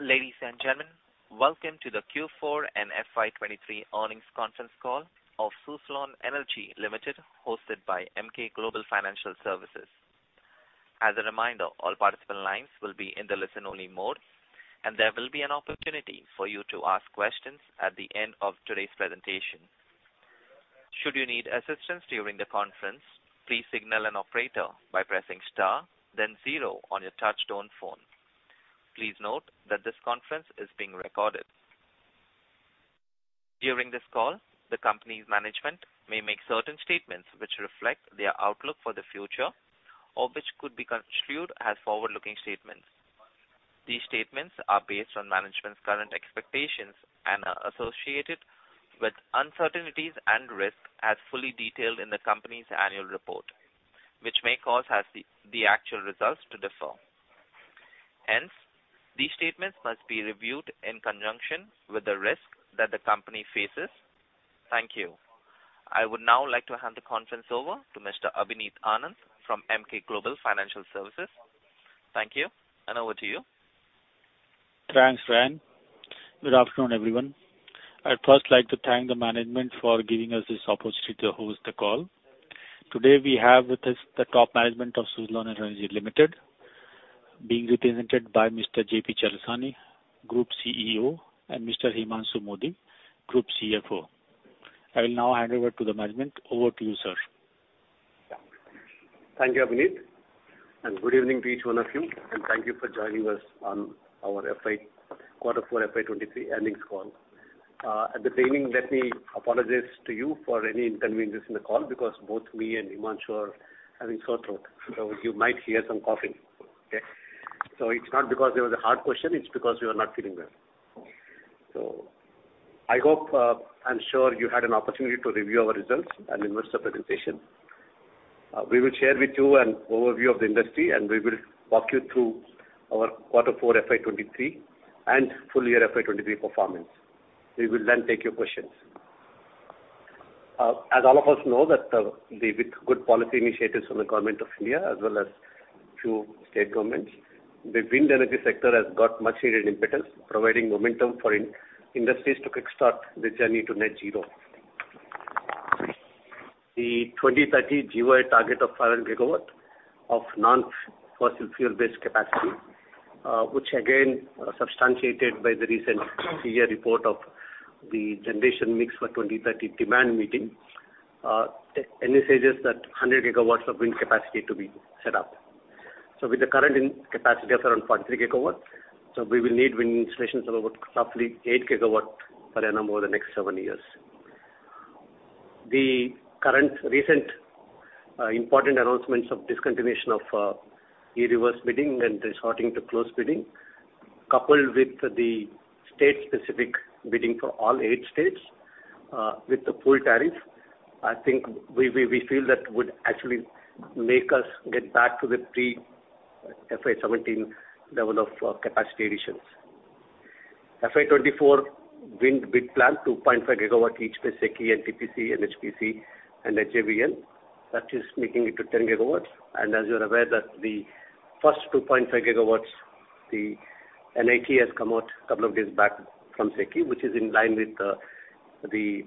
Ladies and gentlemen, welcome to the Q4 and FY 2023 Earnings Conference Call of Suzlon Energy Limited, hosted by Emkay Global Financial Services. As a reminder, all participant lines will be in the listen-only mode, and there will be an opportunity for you to ask questions at the end of today's presentation. Should you need assistance during the conference, please signal an operator by pressing star, then zero on your touchtone phone. Please note that this conference is being recorded. During this call, the company's management may make certain statements which reflect their outlook for the future, or which could be construed as forward-looking statements. These statements are based on management's current expectations and are associated with uncertainties and risks, as fully detailed in the company's annual report, which may cause us the actual results to differ. Hence, these statements must be reviewed in conjunction with the risk that the company faces. Thank you. I would now like to hand the conference over to Mr. Abhineet Anand from Emkay Global Financial Services. Thank you, and over to you. Thanks, Ryan. Good afternoon, everyone. I'd first like to thank the management for giving us this opportunity to host the call. Today, we have with us the top management of Suzlon Energy Limited, being represented by Mr. J.P. Chalasani, Group CEO, and Mr. Himanshu Mody, Group CFO. I will now hand over to the management. Over to you, sir. Thank you, Abhineet Anand, and good evening to each one of you, and thank you for joining us on our FY quarter four, FY 2023 earnings call. At the beginning, let me apologize to you for any inconvenience in the call, because both me and Himanshu Mody are having sore throat. You might hear some coughing, okay? It's not because there was a hard question, it's because we are not feeling well. I hope, I'm sure you had an opportunity to review our results and investor presentation. We will share with you an overview of the industry, and we will walk you through our quarter four, FY 2023 and full year FY 2023 performance. We will then take your questions. As all of us know that, with good policy initiatives from the Government of India, as well as few state governments, the wind energy sector has got much-needed impetus, providing momentum for industries to kickstart the journey to net zero. The 2030 GW target of 5 GW of non-fossil fuel-based capacity, which again, substantiated by the recent CEA report of the generation mix for 2030 demand meeting, envisages that 100 GW of wind capacity to be set up. With the current capacity of around 43 GW, we will need wind installations of about roughly 8 GW per annum over the next seven years. The current recent important announcements of discontinuation of e-reverse bidding and resorting to closed bidding, coupled with the state-specific bidding for all eight states, with the full tariff, I think we feel that would actually make us get back to the pre-FY 2017 level of capacity additions. FY 2024 wind bid plan, 2.5 GW each for SECI, NTPC, NHPC, and SJVN. That is making it to 10 GW. As you're aware, that the first 2.5 GW, the NIT has come out a couple of days back from SECI, which is in line with the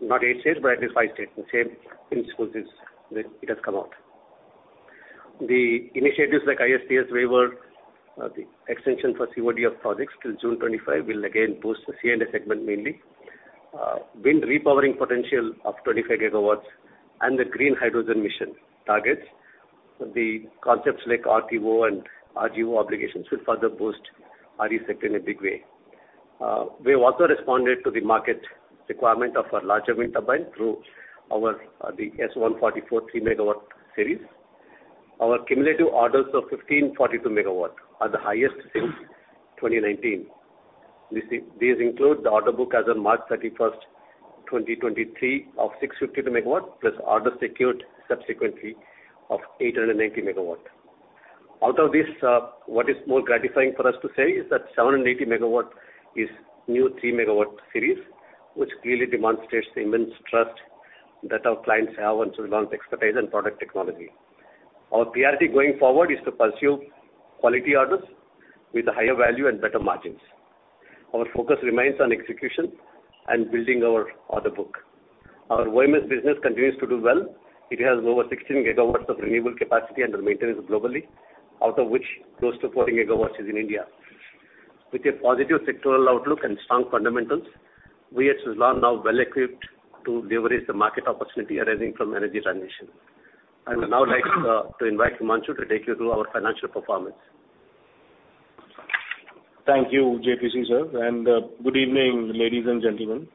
not eight states, but it is five states. The same instances that it has come out. The initiatives like ISTS waiver, the extension for COD of projects till June 2025, will again boost the C&I segment, mainly. Wind repowering potential of 25 GW and the green hydrogen mission targets. The concepts like RPO and RGO obligations will further boost RE sector in a big way. We have also responded to the market requirement of a larger wind turbine through our the S144 3 MW series. Our cumulative orders of 1,542 MW are the highest since 2019. These include the order book as of March 31, 2023, of 652 MW, plus orders secured subsequently of 890 MW. Out of this, what is more gratifying for us to say is that 780 MW is new 3 MW series, which clearly demonstrates the immense trust that our clients have on Suzlon's expertise and product technology. Our priority going forward is to pursue quality orders with a higher value and better margins. Our focus remains on execution and building our order book. Our OMS business continues to do well. It has over 16 GW of renewable capacity under maintenance globally, out of which close to 14 GW is in India. With a positive sectoral outlook and strong fundamentals, we at Suzlon are now well-equipped to leverage the market opportunity arising from energy transition. I would now like to invite Himanshu Mody to take you through our financial performance. Thank you, J.P.C., sir. Good evening, ladies and gentlemen.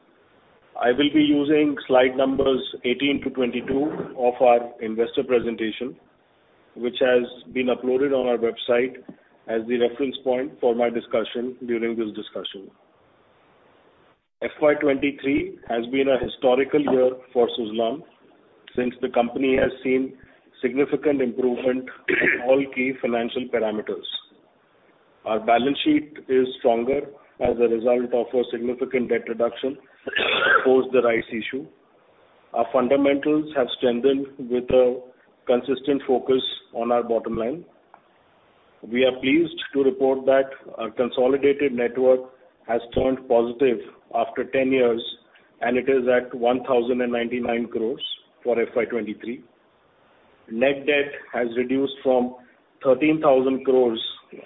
I will be using slide numbers 18 to 22 of our investor presentation, which has been uploaded on our website as the reference point for my discussion during this discussion. FY 2023 has been a historical year for Suzlon, since the company has seen significant improvement in all key financial parameters. Our balance sheet is stronger as a result of a significant debt reduction post the rights issue. Our fundamentals have strengthened with a consistent focus on our bottom line. We are pleased to report that our consolidated network has turned positive after 10 years. It is at 1,099 crores for FY 2023. Net debt has reduced from 13,000 crores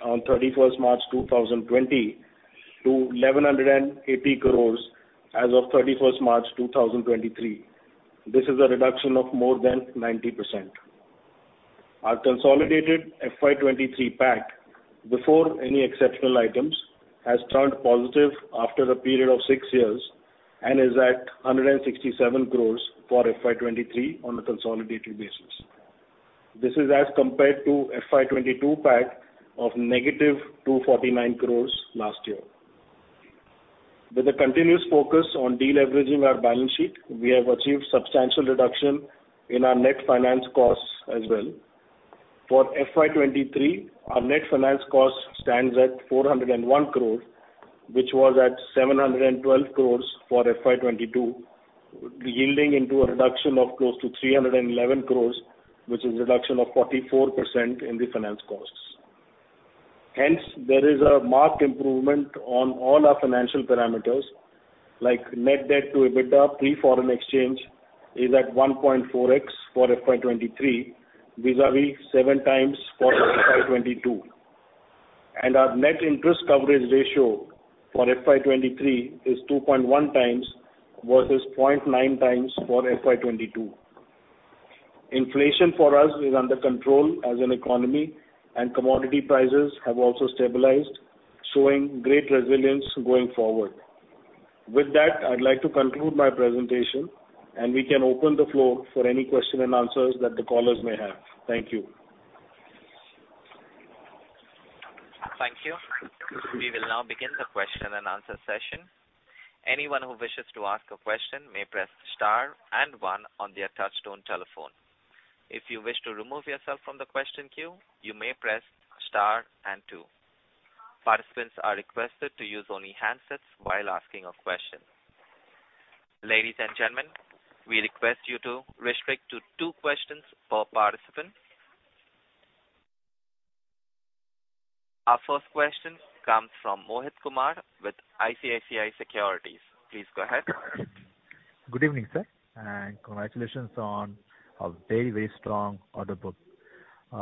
on 31st March 2020, to 1,180 crores as of 31st March 2023. This is a reduction of more than 90%. Our consolidated FY 2023 PAT, before any exceptional items, has turned positive after a period of six years, and is at 167 crore for FY 2023 on a consolidated basis. This is as compared to FY 2022 PAT of negative 249 crore last year. With a continuous focus on deleveraging our balance sheet, we have achieved substantial reduction in our net finance costs as well. For FY 2023, our net finance cost stands at 401 crore, which was at 712 crore for FY 2022, yielding into a reduction of close to 311 crore, which is a reduction of 44% in the finance costs. Hence, there is a marked improvement on all our financial parameters, like net debt to EBITDA, pre-foreign exchange, is at 1.4x for FY 2023, vis-a-vis 7x for FY 2022. Our net interest coverage ratio for FY 2023 is 2.1x versus 0.9x for FY 2022. Inflation for us is under control as an economy, and commodity prices have also stabilized, showing great resilience going forward. With that, I'd like to conclude my presentation, and we can open the floor for any question and answers that the callers may have. Thank you. Thank you. We will now begin the question and answer session. Anyone who wishes to ask a question may press star and one on their touchtone telephone. If you wish to remove yourself from the question queue, you may press star and two. Participants are requested to use only handsets while asking a question. Ladies and gentlemen, we request you to restrict to two questions per participant. Our first question comes from Mohit Kumar with ICICI Securities. Please go ahead. Good evening, sir, and congratulations on a very, very strong order book.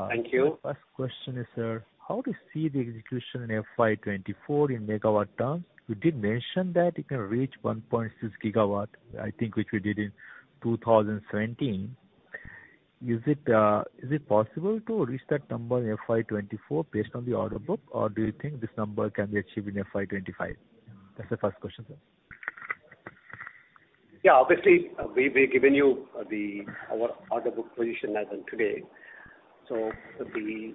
Thank you. My first question is, sir, how do you see the execution in FY 2024 in megawatt terms? You did mention that it can reach 1.6 GW, I think, which we did in 2017. Is it possible to reach that number in FY 2024 based on the order book, or do you think this number can be achieved in FY 2025? That's the first question, sir. Obviously, we've given you our order book position as of today. The 50%-60%,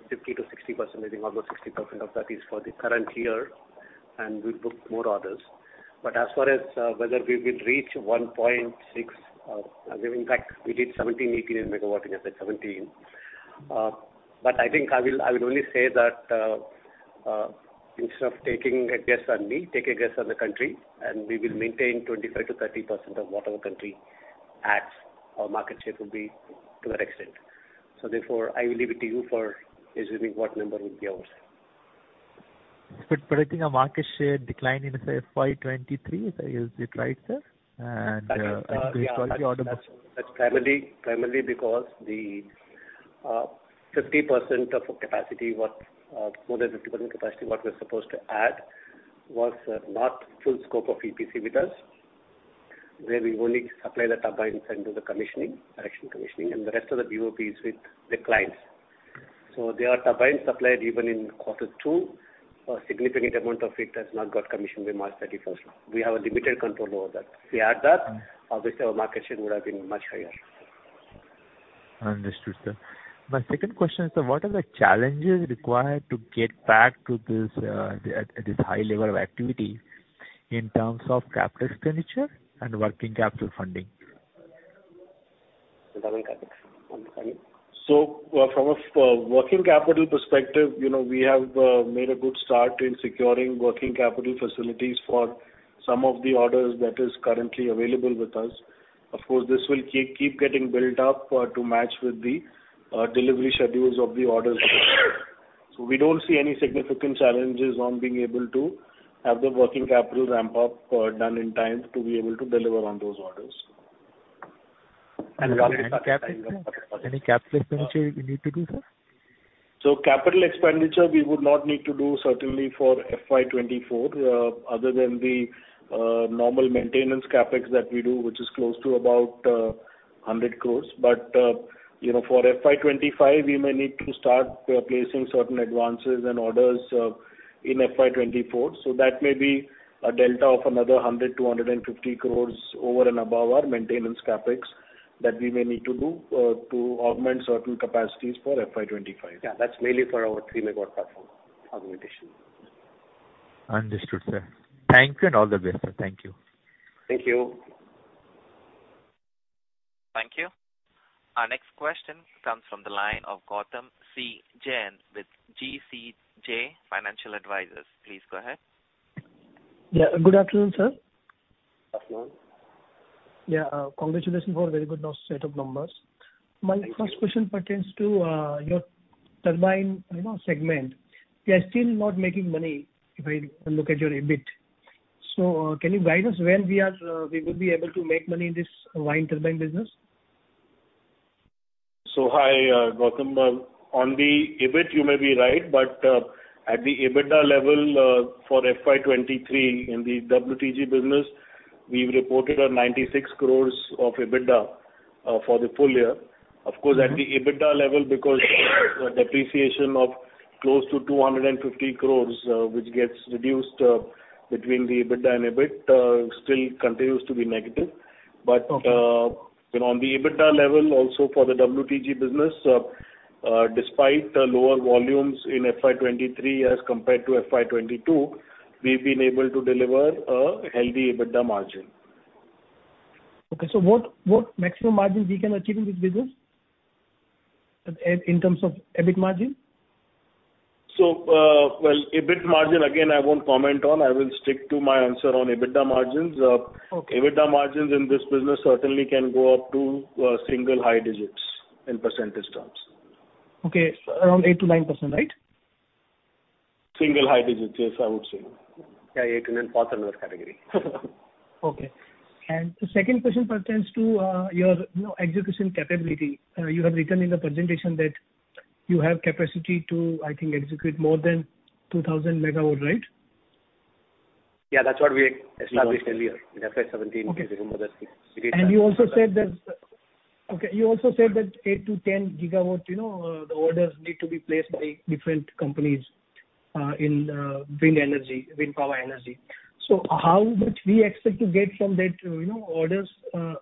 I think almost 60% of that is for the current year, and we've booked more orders. As far as whether we will reach 1.6, as an impact, we did 17 MW-18 MW in FY 2017. I think I will only say that instead of taking a guess on me, take a guess on the country, and we will maintain 25%-30% of whatever country adds, our market share will be to that extent. Therefore, I will leave it to you for assuming what number would be ours. Predicting a market share decline in, say, FY 2023, is it right, sir? To restore the order book. That's primarily because the 50% of capacity, what more than 50% capacity, what we're supposed to add, was not full scope of EPC with us, where we only supply the turbines and do the commissioning, erection commissioning, and the rest of the BOP is with the clients. There are turbines supplied even in quarter two. A significant amount of it has not got commissioned by March 31st. We have a limited control over that. If we had that, obviously our market share would have been much higher. Understood, sir. My second question is, what are the challenges required to get back to this high level of activity in terms of capital expenditure and working capital funding? From a working capital perspective, you know, we have made a good start in securing working capital facilities for some of the orders that is currently available with us. Of course, this will keep getting built up to match with the delivery schedules of the orders. We don't see any significant challenges on being able to have the working capital ramp up done in time to be able to deliver on those orders. Capital expenditure you need to do, sir? Capital expenditure, we would not need to do certainly for FY 2024, other than the normal maintenance CapEx that we do, which is close to about 100 crores. You know, for FY 2025, we may need to start placing certain advances and orders in FY 2024. That may be a delta of another 100- 250 crores over and above our maintenance CapEx that we may need to do to augment certain capacities for FY 2025. Yeah, that's mainly for our three megawatt platform augmentation. Understood, sir. Thank you, and all the best, sir. Thank you. Thank you. Thank you. Our next question comes from the line of Gautam C. Jain with GCJ Financial Advisors. Please go ahead. Yeah, good afternoon, sir. Afternoon. Yeah, congratulations for very good set of numbers. My first question pertains to your turbine, you know, segment. You are still not making money, if I look at your EBIT. Can you guide us when we are we will be able to make money in this wind turbine business? Hi, Gautam, on the EBIT, you may be right, but, at the EBITDA level, for FY 2023 in the WTG business, we've reported a 96 crores of EBITDA, for the full year. Of course, Mm-hmm. At the EBITDA level, because depreciation of close to 250 crores, which gets reduced between the EBITDA and EBIT, still continues to be negative. Okay. On the EBITDA level, also for the WTG business, despite the lower volumes in FY 2023 as compared to FY 2022, we've been able to deliver a healthy EBITDA margin. Okay, what maximum margin we can achieve in this business, in terms of EBIT margin? Well, EBIT margin, again, I won't comment on. I will stick to my answer on EBITDA margins. Okay. EBITDA margins in this business certainly can go up to, single high digits in percentage terms. Okay. Around 8%-9%, right? Single high digits, yes, I would say. Yeah, 8%-9% category. Okay. The second question pertains to your, you know, execution capability. You have written in the presentation that you have capacity to, I think, execute more than 2,000 MW, right? Yeah, that's what we established earlier, in FY 2017, if you remember. Okay. You also said that 8 GW-10 GW, you know, the orders need to be placed by different companies in wind energy, wind power energy. How much we expect to get from that, you know, orders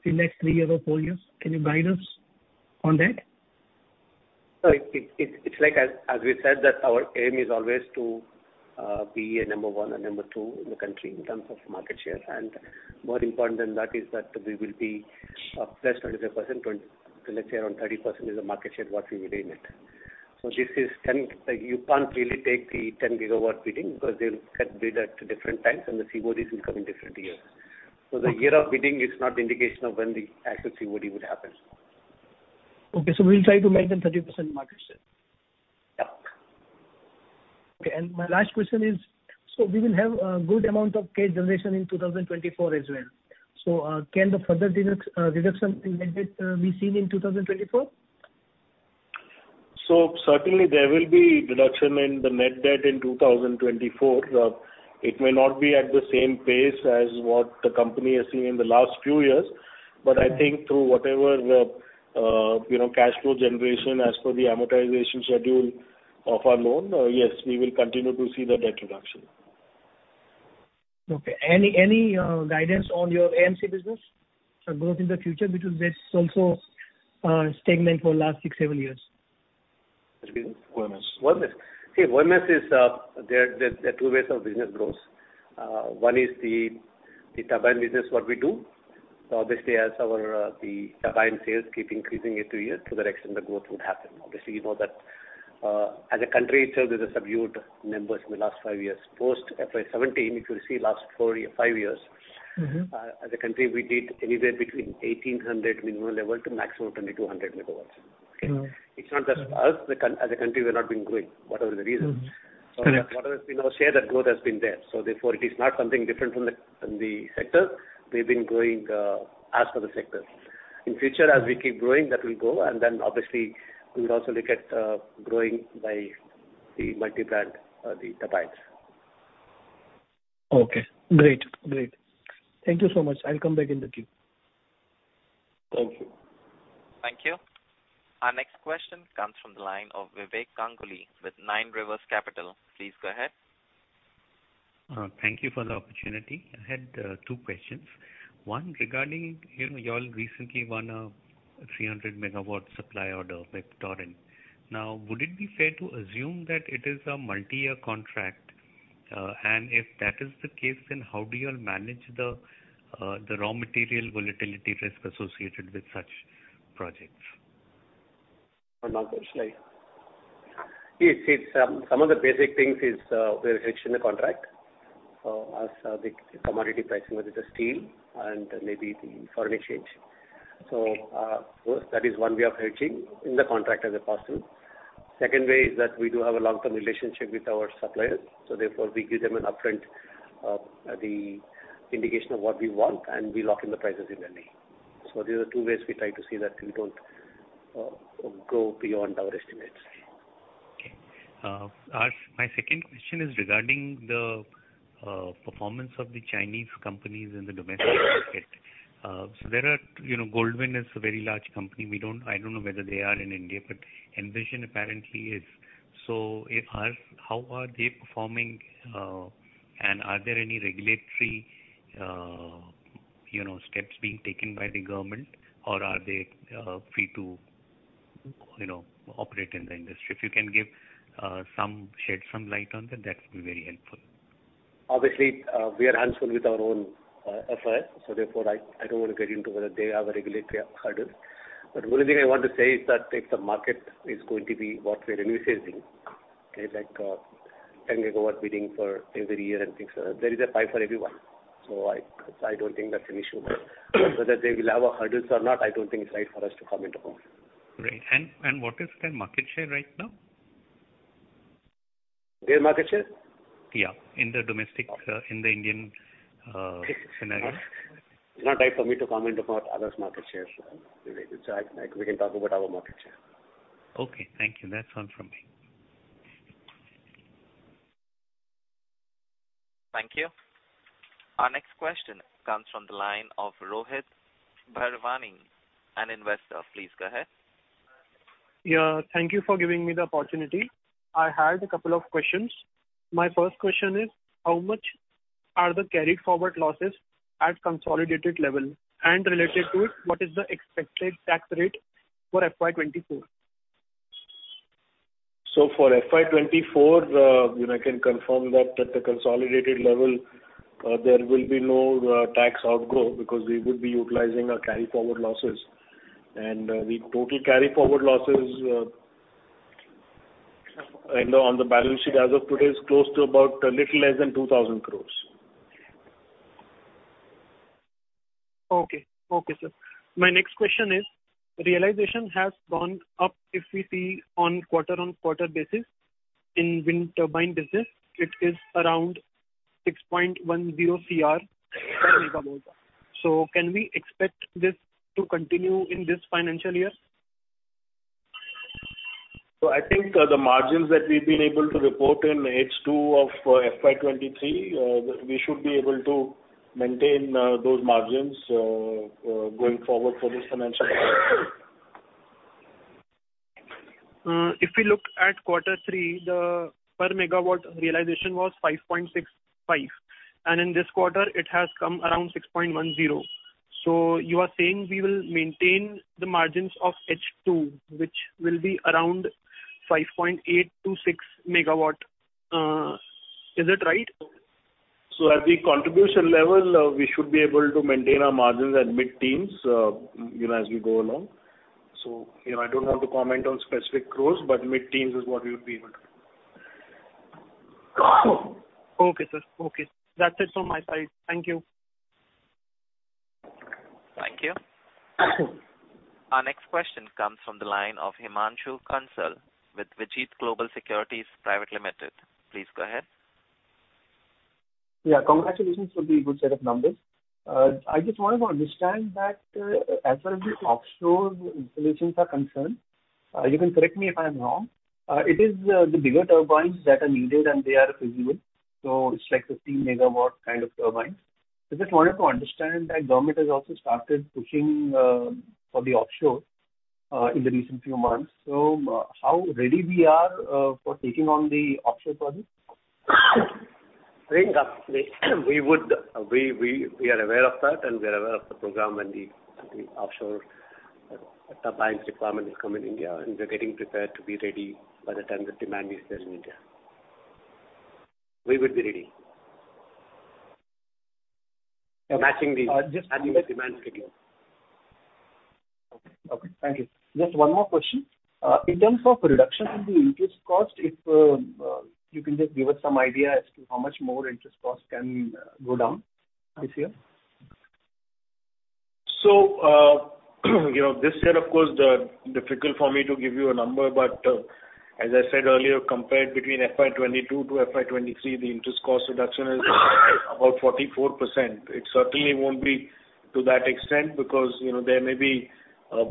in next three years or four years? Can you guide us on that? It's like as we said, that our aim is always to be a number one and number two in the country in terms of market share. More important than that is that we will be +25%, let's say around 30%, is the market share what we will gain it. This is 10 GW, you can't really take the 10 GW bidding, because they will get bid at different times, and the CODs will come in different years. The year of bidding is not indication of when the actual COD would happen. Okay, we'll try to maintain 30% market share. Yeah. Okay, my last question is, we will have a good amount of cash generation in 2024 as well. Can the further reduction in net debt be seen in 2024? Certainly there will be reduction in the net debt in 2024. It may not be at the same pace as what the company has seen in the last few years. Mm-hmm. I think through whatever the, you know, cash flow generation as per the amortization schedule of our loan, yes, we will continue to see the debt reduction. Okay. Any guidance on your AMC business or growth in the future? That's also, stagnant for last six, seven years. Excuse me? OEMs. Okay, OEMs is, there are two ways of business grows. One is the turbine business, what we do. Obviously, as our the turbine sales keep increasing year to year, to that extent, the growth would happen. Obviously, you know that, as a country itself, there's a subdued numbers in the last five years. Post FY 2017, if you see last four years, five years- Mm-hmm. As a country, we did anywhere between 1,800 MW minimum level to maximum 2,200 MW. Mm-hmm. Okay? It's not just us, as a country, we've not been growing, whatever the reason. Mm-hmm. Correct. Whatever has been our share, that growth has been there. Therefore, it is not something different from the sector. We've been growing as per the sector. In future, as we keep growing, that will grow, and then obviously we would also look at growing by the multi-brand the turbines. Okay, great. Great. Thank you so much. I'll come back in the queue. Thank you. Thank you. Our next question comes from the line of Vivek Ganguly with Nine Rivers Capital. Please go ahead. Thank you for the opportunity. I had two questions. One, regarding, you know, you all recently won a 300 MW supply order with Torrent. Would it be fair to assume that it is a multi-year contract? If that is the case, then how do you all manage the raw material volatility risk associated with such projects? For Vivek, shall I? Yes, it's, some of the basic things is, we're hedged in the contract, as, the commodity pricing, whether it's steel and maybe the foreign exchange. First, that is one way of hedging in the contract as a possible. Second way is that we do have a long-term relationship with our suppliers, therefore, we give them an upfront, the indication of what we want, and we lock in the prices in the name. These are the two ways we try to see that we don't go beyond our estimates. As my second question is regarding the performance of the Chinese companies in the domestic market. You know, Goldwind is a very large company. I don't know whether they are in India, but Envision apparently is. How are they performing, and are there any regulatory, you know, steps being taken by the government, or are they free to, you know, operate in the industry? If you can shed some light on that would be very helpful. Obviously, we are hands-on with our own effort, so therefore, I don't want to get into whether they have a regulatory hurdle. The only thing I want to say is that if the market is going to be what we're anticipating, okay, like, 10 MW bidding for every year and things like that, there is a pie for everyone. I don't think that's an issue. Whether they will have a hurdles or not, I don't think it's right for us to comment upon. Great. What is their market share right now? Their market share? In the domestic, in the Indian, scenario. It's not right for me to comment about others' market shares. We can talk about our market share. Okay, thank you. That's all from me. Thank you. Our next question comes from the line of Rohit Bharwani, an investor. Please go ahead. Yeah, thank you for giving me the opportunity. I had a couple of questions. My first question is: How much are the carried forward losses at consolidated level? Related to it, what is the expected tax rate for FY 2024? For FY 2024, you know, I can confirm that at the consolidated level, there will be no tax outgo, because we would be utilizing our carry forward losses. The total carry forward losses, you know, on the balance sheet as of today, is close to about a little less than 2,000 crores. Okay. Okay, sir. My next question is, realization has gone up if we see on quarter-on-quarter basis. In wind turbine business, it is around 6.10 crore per MW. Can we expect this to continue in this financial year? I think, the margins that we've been able to report in H2 of FY 2023, we should be able to maintain, those margins, going forward for this financial year. If we look at Q3, the per MW realization was 5.65, and in this quarter it has come around 6.10. You are saying we will maintain the margins of H2, which will be around 5.8- 6 MW. Is it right? At the contribution level, we should be able to maintain our margins at mid-teens, you know, as we go along. You know, I don't want to comment on specific crores, but mid-teens is what we would be able to do. Okay, sir. Okay, that's it from my side. Thank you. Thank you. Our next question comes from the line of Himaanshu Kansal with Vijit Global Securities Private Limited. Please go ahead. Congratulations for the good set of numbers. I just wanted to understand that, as far as the offshore installations are concerned, you can correct me if I am wrong, it is the bigger turbines that are needed, and they are feasible, so it's like 15 MW kind of turbines. I just wanted to understand that government has also started pushing for the offshore in the recent few months. How ready we are for taking on the offshore projects? Very nicely. We would we are aware of that, and we are aware of the program and the offshore turbines requirement is coming in India, and we're getting prepared to be ready by the time the demand is there in India. We would be ready. Uh, just- Matching the demand schedule. Okay. Okay, thank you. Just one more question. In terms of reduction in the interest cost, if, you can just give us some idea as to how much more interest cost can go down this year? You know, this year, of course, difficult for me to give you a number, but as I said earlier, compared between FY 2022 to FY 2023, the interest cost reduction is about 44%. It certainly won't be to that extent, because, you know, there may be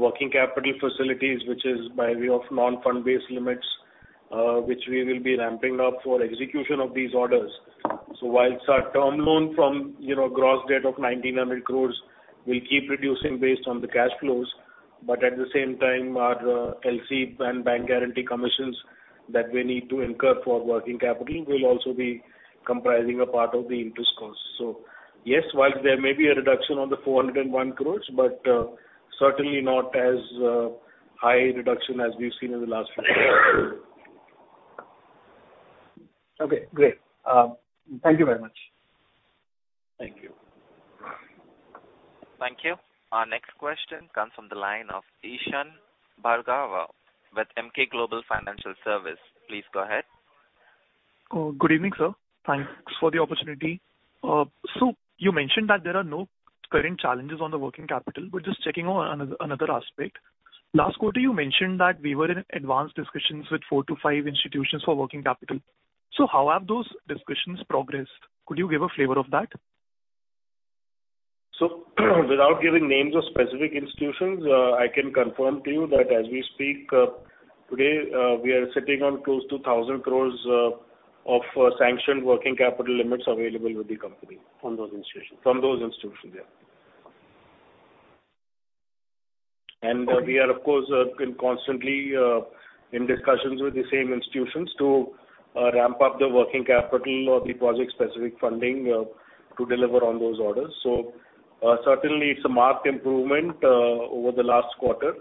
working capital facilities, which is by way of non-fund based limits, which we will be ramping up for execution of these orders. While our term loan from, you know, gross debt of 1,900 crores will keep reducing based on the cash flows, but at the same time, our LC and bank guarantee commissions that we need to incur for working capital will also be comprising a part of the interest cost. Yes, while there may be a reduction on the 401 crores, but certainly not as high reduction as we've seen in the last few years. Okay, great. Thank you very much. Thank you. Thank you. Our next question comes from the line of Ishan Bhargava with Emkay Global Financial Services. Please go ahead. Good evening, sir. Thanks for the opportunity. You mentioned that there are no current challenges on the working capital. We're just checking on another aspect. Last quarter, you mentioned that we were in advanced discussions with four to five institutions for working capital. How have those discussions progressed? Could you give a flavor of that? Without giving names of specific institutions, I can confirm to you that as we speak, today, we are sitting on close to 1,000 crores of sanctioned working capital limits available with the company. From those institutions? From those institutions, yeah. We are, of course, constantly in discussions with the same institutions to ramp up the working capital or the project-specific funding to deliver on those orders. Certainly it's a marked improvement over the last quarter,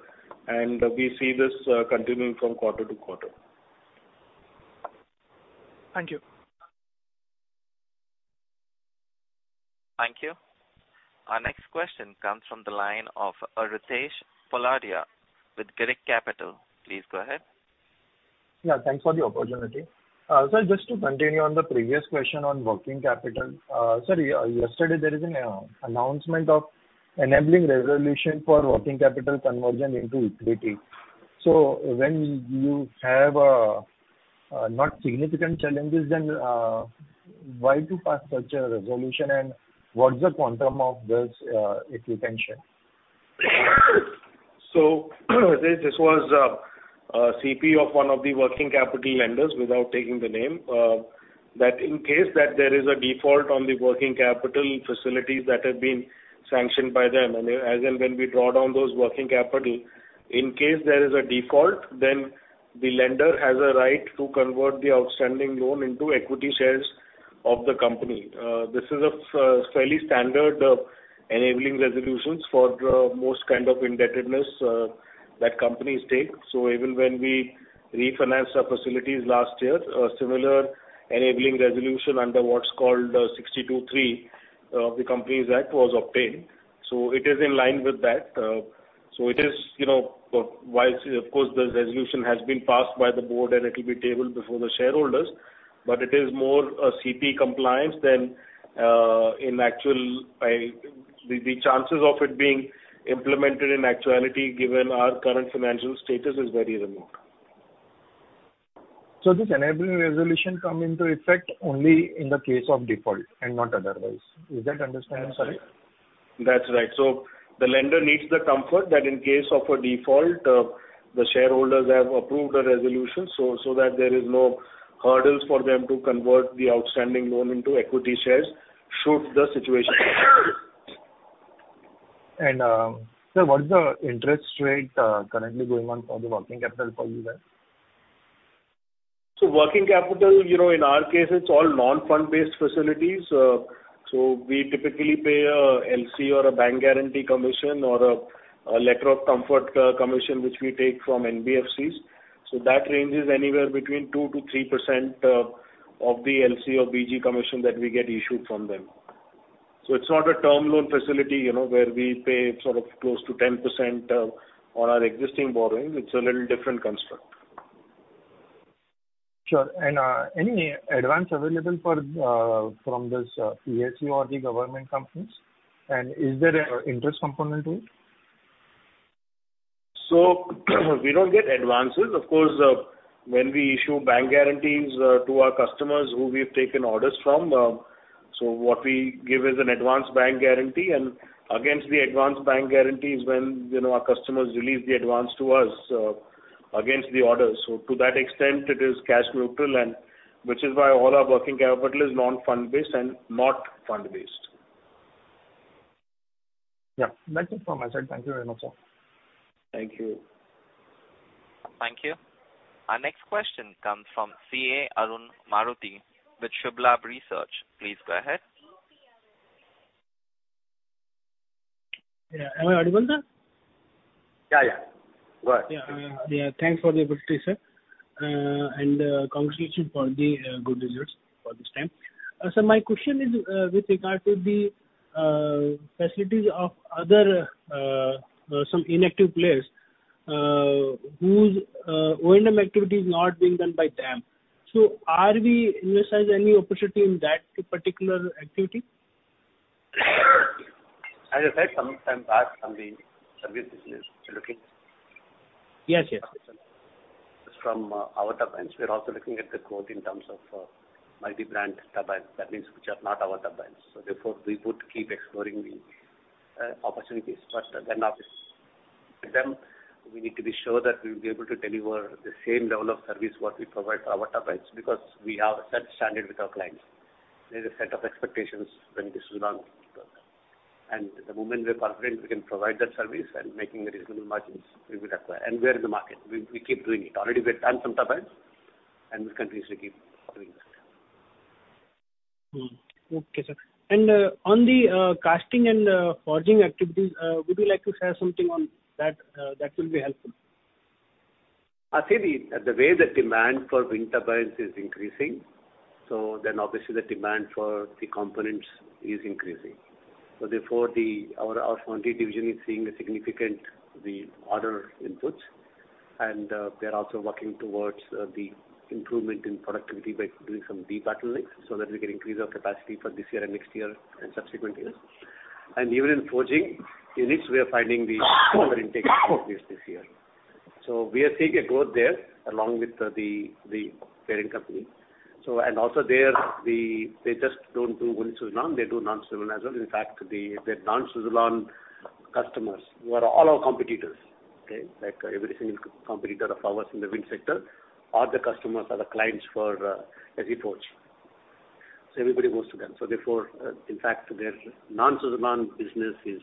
and we see this continuing from quarter to quarter. Thank you. Thank you. Our next question comes from the line of Ritesh Poladia, with Girik Capital. Please go ahead. Yeah, thanks for the opportunity. Just to continue on the previous question on working capital. Sir, yesterday there is an announcement of enabling resolution for working capital conversion into equity. When you have a not significant challenges, then why to pass such a resolution, and what's the quantum of this, if you can share? This was a CP of one of the working capital lenders, without taking the name. That in case that there is a default on the working capital facilities that have been sanctioned by them, and as and when we draw down those working capital, in case there is a default, then the lender has a right to convert the outstanding loan into equity shares of the company. This is a fairly standard enabling resolutions for most kind of indebtedness that companies take. Even when we refinanced our facilities last year, a similar enabling resolution under what's called Section 62(3) of the Companies Act was obtained. It is in line with that. It is, you know, while of course, the resolution has been passed by the board, and it will be tabled before the shareholders, but it is more a CP compliance than in actual. The chances of it being implemented in actuality, given our current financial status, is very remote. This enabling resolution come into effect only in the case of default and not otherwise. Is that understanding, sorry? That's right. The lender needs the comfort that in case of a default, the shareholders have approved a resolution, so that there is no hurdles for them to convert the outstanding loan into equity shares should the situation arise. Sir, what is the interest rate currently going on for the working capital for you there? Working capital, you know, in our case, it's all non-fund based facilities. We typically pay a LC or a bank guarantee commission or a letter of comfort commission, which we take from NBFCs. That ranges anywhere between 2%-3% of the LC or BG commission that we get issued from them. It's not a term loan facility, you know, where we pay sort of close to 10% on our existing borrowing. It's a little different construct. Sure. Any advance available for from this PSU or the government companies, and is there an interest component to it? We don't get advances. Of course, when we issue bank guarantees, to our customers who we've taken orders from, what we give is an advance bank guarantee, and against the advance bank guarantees, when, you know, our customers release the advance to us, against the orders. To that extent, it is cash neutral, and which is why all our working capital is non-fund based and not fund based. Yeah, that's it from my side. Thank you very much, sir. Thank you. Thank you. Our next question comes from CA Arun Maroti with Subh Labh Research. Please go ahead. Yeah. Am I audible? Yeah, yeah. Go ahead. Yeah, yeah, thanks for the opportunity, sir. Congratulations for the good results for this time. My question is, with regard to the facilities of other, some inactive players, whose O&M activity is not being done by them. Are we, in this sense, any opportunity in that particular activity? As I said some time back, on the subject business, we're looking? Yes, yes. From our turbines, we are also looking at the growth in terms of multi-brand turbine. That means which are not our turbines. Therefore, we would keep exploring the opportunities first, and then after them, we need to be sure that we will be able to deliver the same level of service what we provide for our turbines, because we have a set standard with our clients. There's a set of expectations when this will not work. The moment we are confident we can provide that service and making the reasonable margins, we will acquire. We are in the market. We keep doing it. Already we have done some turbines, and we continue to keep doing this. Okay, sir. On the casting and forging activities, would you like to share something on that? That will be helpful. I think the way the demand for wind turbines is increasing, obviously the demand for the components is increasing. Therefore, Our Monty division is seeing a significant, the order inputs, and they are also working towards the improvement in productivity by doing some deep bottlenecks, so that we can increase our capacity for this year and next year and subsequent years. Even in forging units, we are finding the stronger intake this year. We are seeing a growth there, along with the pairing company. Also there, they just don't do wind Suzlon, they do non-Suzlon as well. In fact, the non-Suzlon customers, who are all our competitors, okay? Like every single competitor of ours in the wind sector, are the customers or the clients for as we forge. Everybody goes to them. Therefore, in fact, their non-Suzlon business is,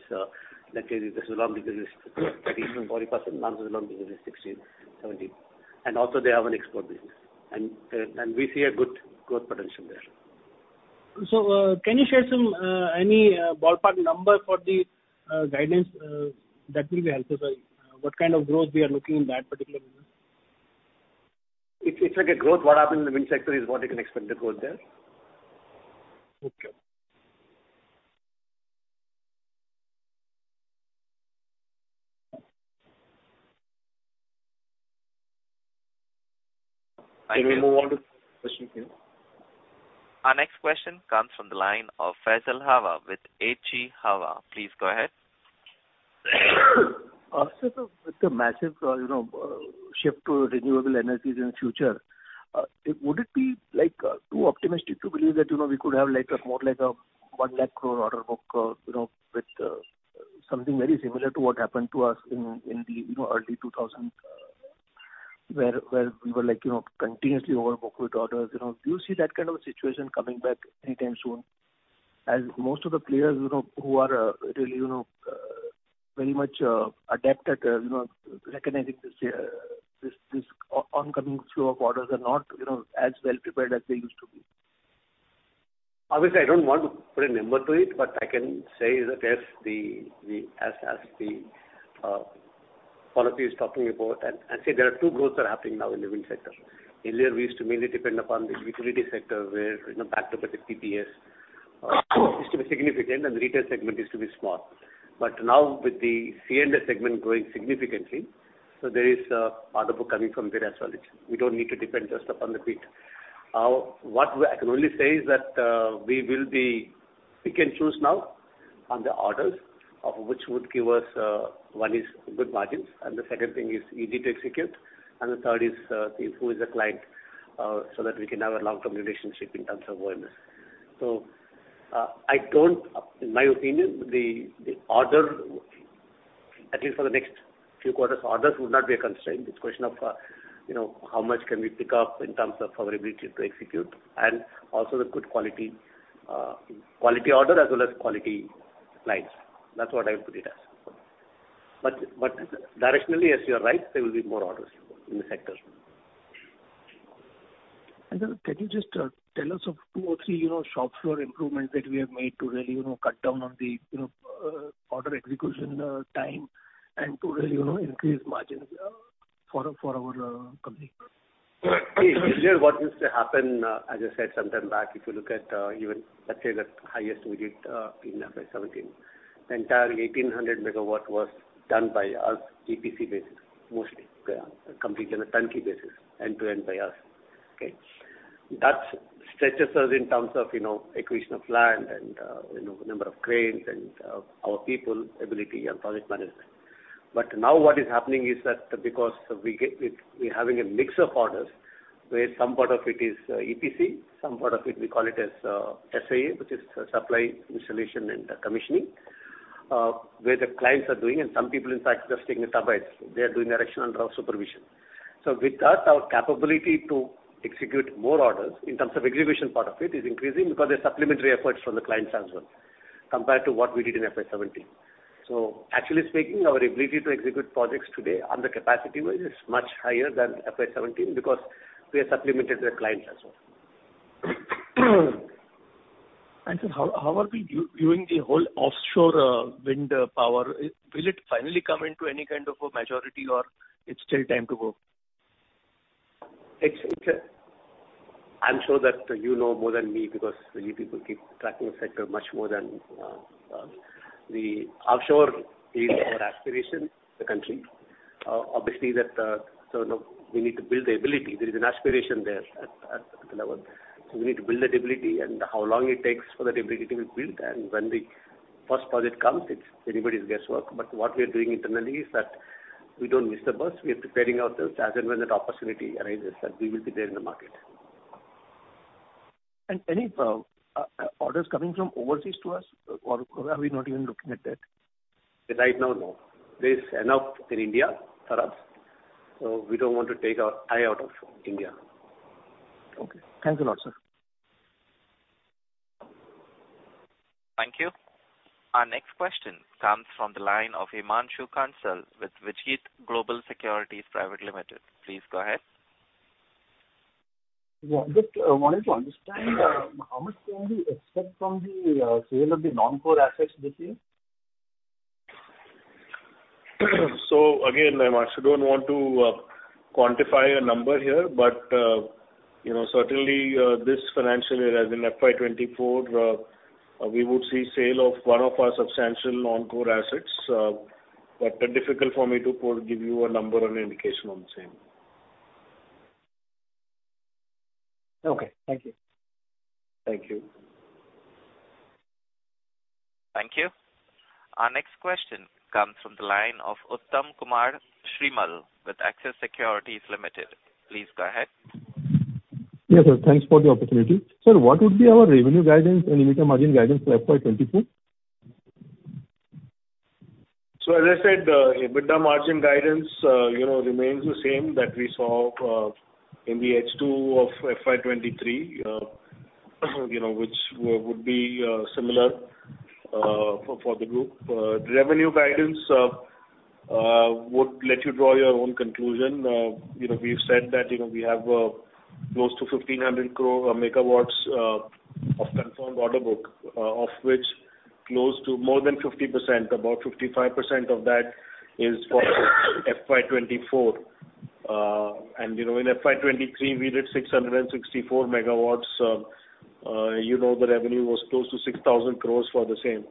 let's say, the Suzlon business is 30%-40%, non-Suzlon business is 16%, 17%. Also, they have an export business, and we see a good growth potential there. Can you share some any ballpark number for the guidance that will be helpful, sir. What kind of growth we are looking in that particular business? It's like a growth what happened in the wind sector is what you can expect the growth there. Can we move on to question two? Our next question comes from the line of Faisal Hawa with H.G. Hawa. Please go ahead. Sir, with the massive, you know, shift to renewable energies in the future, would it be, like, too optimistic to believe that, you know, we could have like a, more like a 1 lakh crore order book, you know, with something very similar to what happened to us in the, you know, early 2000s, where we were like, you know, continuously overbooked with orders, you know? Do you see that kind of a situation coming back anytime soon, as most of the players, you know, who are really, you know, very much adept at, you know, recognizing this oncoming flow of orders are not, you know, as well prepared as they used to be? Obviously, I don't want to put a number to it, but I can say that, yes, the as the policy is talking about. See, there are two growths that are happening now in the wind sector. Earlier, we used to mainly depend upon the utility sector, where, you know, backed up with the PPA, used to be significant and the retail segment used to be small. Now with the C&I segment growing significantly, there is order book coming from there as well, which we don't need to depend just upon the grid. I can only say is that we will be, pick and choose now on the orders of which would give us, one is good margins, and the second thing is easy to execute, and the third is, who is the client, so that we can have a long-term relationship in terms of O&M. I don't, in my opinion, the order, at least for the next few quarters, orders would not be a constraint. It's a question of, you know, how much can we pick up in terms of our ability to execute, and also the good quality order as well as quality clients. That's what I would put it as. Directionally, yes, you are right, there will be more orders in the sector. Sir, can you just tell us of two or three, you know, shop floor improvements that we have made to really, you know, cut down on the, you know, order execution time and to really, you know, increase margins for our company? Earlier, what used to happen, as I said sometime back, if you look at, even let's say the highest we did, in FY 2017, the entire 1,800 MW was done by us, EPC basis, mostly completed on a turnkey basis, end-to-end by us. Okay? That stretches us in terms of, you know, acquisition of land and, you know, number of cranes and our people ability and project management. Now what is happening is that because we're having a mix of orders, where some part of it is EPC, some part of it we call it as SIC, which is Supply, Installation and Commissioning, where the clients are doing, and some people, in fact, just taking it upright. They are doing erection under our supervision. With that, our capability to execute more orders, in terms of execution part of it, is increasing because there's supplementary efforts from the clients as well, compared to what we did in FY 2017. Actually speaking, our ability to execute projects today on the capacity wise is much higher than FY17 because we are supplemented with clients as well. Sir, how are we viewing the whole offshore wind power? Will it finally come into any kind of a majority or it's still time to go? It's a, I'm sure that you know more than me, because you people keep tracking the sector much more than me. The offshore is our aspiration, the country. Obviously, that, so, you know, we need to build the ability. There is an aspiration there at the level. We need to build that ability and how long it takes for that ability to be built, and when the first project comes, it's anybody's guesswork. What we are doing internally is that we don't miss the bus. We are preparing ourselves as and when that opportunity arises, that we will be there in the market. Any orders coming from overseas to us, or are we not even looking at that? Right now, no. There is enough in India for us. We don't want to take our eye out of India. Okay. Thanks a lot, sir. Thank you. Our next question comes from the line of Himaanshu Kansal, with Vijit Global Securities Private Limited. Please go ahead. Yeah, just wanted to understand, how much can we expect from the sale of the non-core assets this year? Again, Himaanshu, don't want to quantify a number here, but, you know, certainly, this financial year, as in FY 2024, we would see sale of one of our substantial non-core assets, but difficult for me to put, give you a number or an indication on the same. Okay, thank you. Thank you. Thank you. Our next question comes from the line of Uttam Kumar Srimal with Axis Securities Limited. Please go ahead. Yes, sir, thanks for the opportunity. Sir, what would be our revenue guidance and EBITDA margin guidance for FY 2024? As I said, EBITDA margin guidance, you know, remains the same that we saw in the H2 of FY 2023, you know, which would be similar for the group. Revenue guidance would let you draw your own conclusion. You know, we've said that, you know, we have close to 1,500 crore MW of confirmed order book, of which close to more than 50%, about 55% of that is for FY 2024. You know, in FY 2023, we did 664 MW. You know, the revenue was close to 6,000 crore for the same.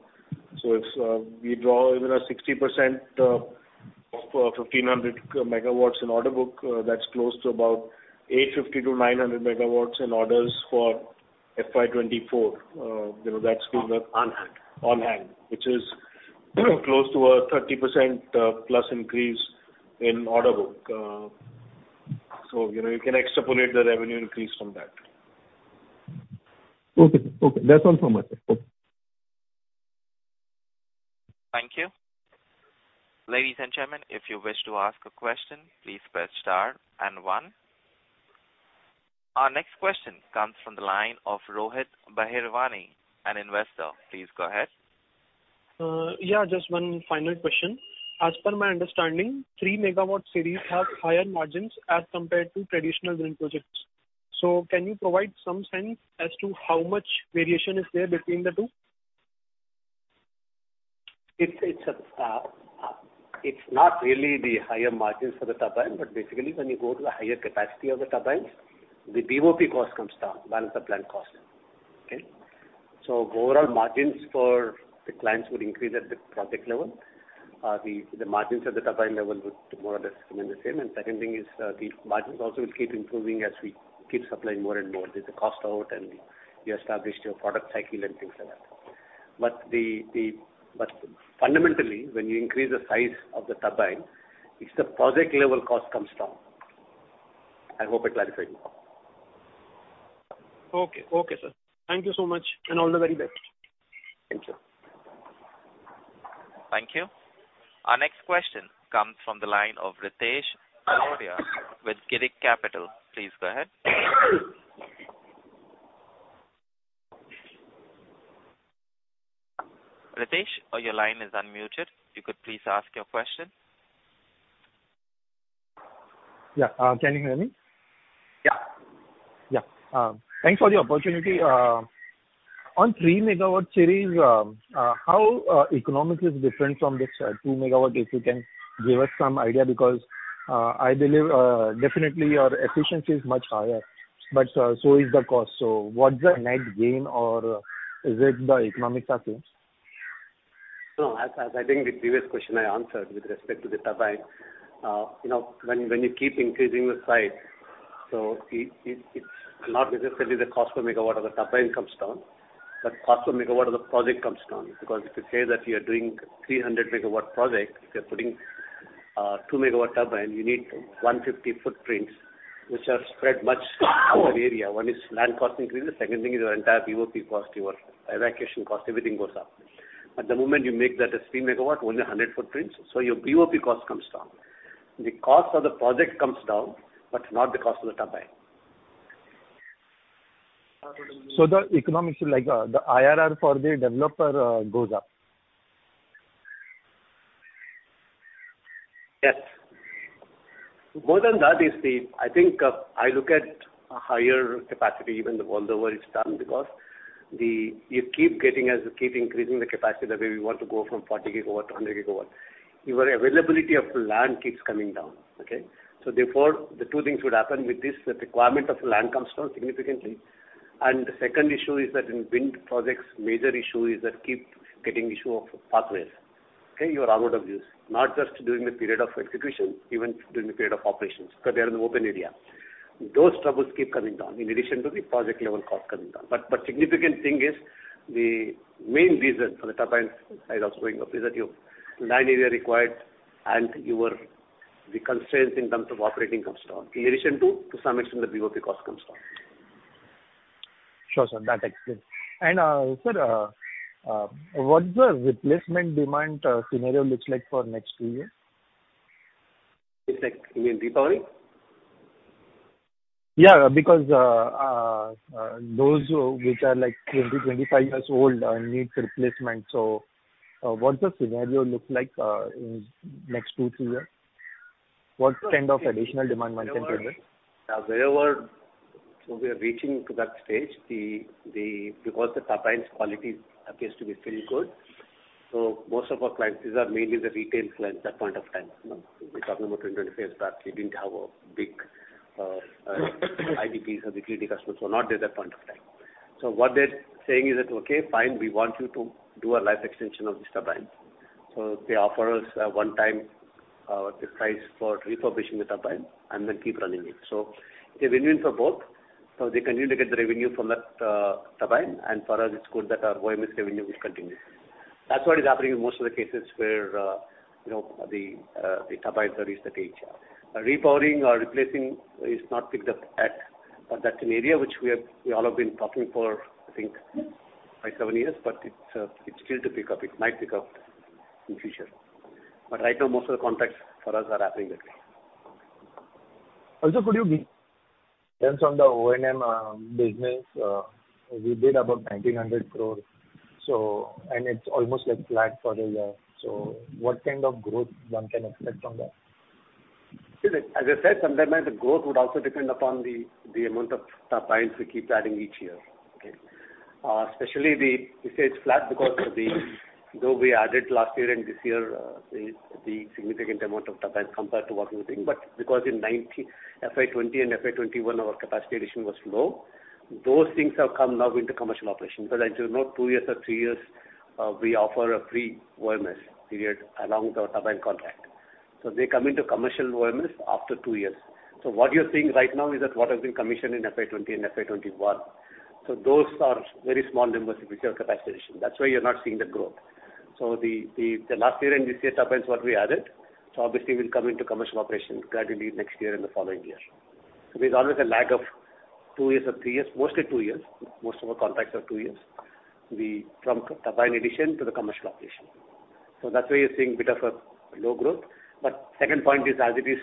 If we draw even a 60% of 1,500 MW in order book, that's close to about 850 MW-900 MW in orders for FY 2024. You know. On hand. On hand, which is close to a 30%, plus increase in order book. You know, you can extrapolate the revenue increase from that. Okay. Okay, that's all from my end. Okay. Thank you. Ladies and gentlemen, if you wish to ask a question, please press star and one. Our next question comes from the line of Rohit Bharwani, an investor. Please go ahead. Yeah, just one final question. As per my understanding, 3 MW series have higher margins as compared to traditional wind projects. Can you provide some sense as to how much variation is there between the two? It's not really the higher margins for the turbine, but basically when you go to a higher capacity of the turbines, the BOP cost comes down, balance of plant cost. Okay. Overall margins for the clients would increase at the project level. The margins at the turbine level would more or less remain the same. Second thing is, the margins also will keep improving as we keep supplying more and more. There's a cost out, and you established your product cycle and things like that. Fundamentally, when you increase the size of the turbine, it's the project level cost comes down. I hope I clarified your point. Okay. Okay, sir. Thank you so much. All the very best. Thank you. Thank you. Our next question comes from the line of Ritesh Poladia with Girik Capital. Please go ahead. Ritesh, your line is unmuted. You could please ask your question. Yeah, can you hear me? Yeah. Yeah. Thanks for the opportunity. On 3 MW series, how economics is different from this 2 MW, if you can give us some idea? Because I believe definitely your efficiency is much higher, but so is the cost. What's the net gain or is it the economics are same? No, as I think the previous question I answered with respect to the turbine, you know, when you keep increasing the size, so it's not necessarily the cost per MW of the turbine comes down, but cost per MW of the project comes down. Because if you say that you are doing 300 MW project, if you're putting, 2 MW turbine, you need 150 footprints, which are spread much over the area. One is land cost increases, second thing is your entire BOP cost, your evacuation cost, everything goes up. At the moment, you make that a 3 MW, only 100 footprints, so your BOP cost comes down. The cost of the project comes down, but not the cost of the turbine. The economics, like, the IRR for the developer, goes up? Yes. More than that is the. I think, I look at a higher capacity, even the turnover is done, because you keep getting as you keep increasing the capacity, the way we want to go from 40 GW to 100 GW, your availability of the land keeps coming down, okay? Therefore, the two things would happen with this, the requirement of the land comes down significantly. The second issue is that in wind projects, major issue is that keep getting issue of pathways, okay? You are out of use, not just during the period of execution, even during the period of operations, because they are in the open area. Those troubles keep coming down, in addition to the project level cost coming down. Significant thing is the main reason for the turbines side of going up is that the land area required and the constraints in terms of operating comes down, in addition to some extent, the BOP cost comes down. Sure, sir, that explains. Sir, what's the replacement demand scenario looks like for next two years? It's like in repowering? Yeah, because those which are like 20-25 years old, needs replacement. What's the scenario look like in next two to three years? What kind of additional demand one can predict? Wherever, so we are reaching to that stage, the because the turbines quality appears to be still good, so most of our clients, these are mainly the retail clients at that point of time. You know, we're talking about 20-25 years, but we didn't have a big IPPs or the utility customers were not there at that point of time. What they're saying is that, okay, fine, we want you to do a life extension of this turbine. They offer us a one-time price for refurbishing the turbine and then keep running it. The revenue for both, so they continue to get the revenue from that turbine, and for us, it's good that our O&M revenue will continue. That's what is happening in most of the cases where, you know, the turbines reach the age. Repowering or replacing is not picked up at, that's an area which we all have been talking for, I think, five, seven years, but it's still to pick up. It might pick up in future. Right now, most of the contracts for us are happening that way. Also, could you give- Based on the O&M business, we did about 1,900 crore. It's almost like flat for the year. What kind of growth one can expect from that? See, as I said, Sandeep, the growth would also depend upon the amount of turbines we keep adding each year. Okay. especially the, you say it's flat because of the, though we added last year and this year, the significant amount of turbines compared to what we think. Because in FY 2020 and FY 2021, our capacity addition was low. Those things have come now into commercial operation. As you know, two years or three years, we offer a free O&M period along the turbine contract. They come into commercial O&Ms after two years. What you're seeing right now is that what has been commissioned in FY 2020 and FY 2021. Those are very small numbers, which are capacity. You're not seeing the growth. The last year and this year, turbines what we added, obviously we'll come into commercial operations gradually next year and the following year. There's always a lag of two years or three years, mostly two years. Most of our contracts are two years. The from turbine addition to the commercial operation. That's why you're seeing a bit of a low growth. Second point is, as it is,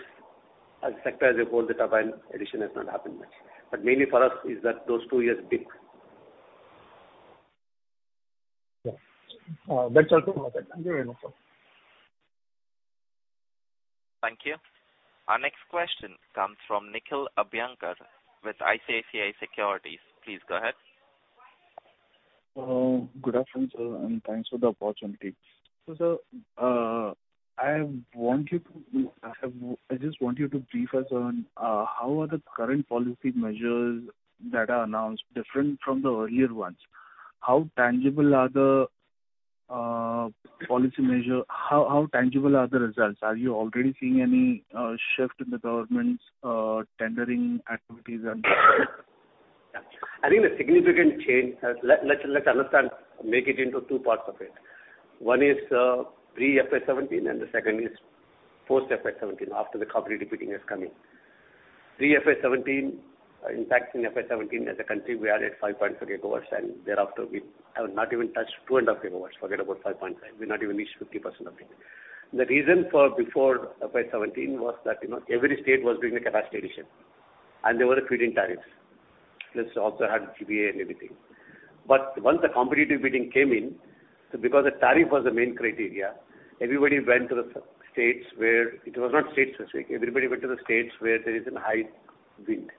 as a sector, as a whole, the turbine addition has not happened much. Mainly for us is that those two years dip. That's all for that. Thank you very much, sir. Thank you. Our next question comes from Nikhil Abhyankar, with ICICI Securities. Please go ahead. Good afternoon, sir. Thanks for the opportunity. Sir, I just want you to brief us on how are the current policy measures that are announced different from the earlier ones? How tangible are the policy measure? How tangible are the results? Are you already seeing any shift in the government's tendering activities? I think the significant change, let's understand, make it into two parts of it. One is pre FY 2017, and the second is post FY 2017, after the competitive bidding has come in. Pre FY 2017, in fact, in FY 2017, as a country, we added 5.3 GW, and thereafter we have not even touched 2.5 GW, forget about 5.5 GW. We not even reached 50% of it. The reason for before FY 2017 was that, you know, every state was doing a capacity addition, and there were feeding tariffs. This also had GPA and everything. Once the competitive bidding came in, so because the tariff was the main criteria, everybody went to the states where. It was not state specific. Everybody went to the states where there is an high wind.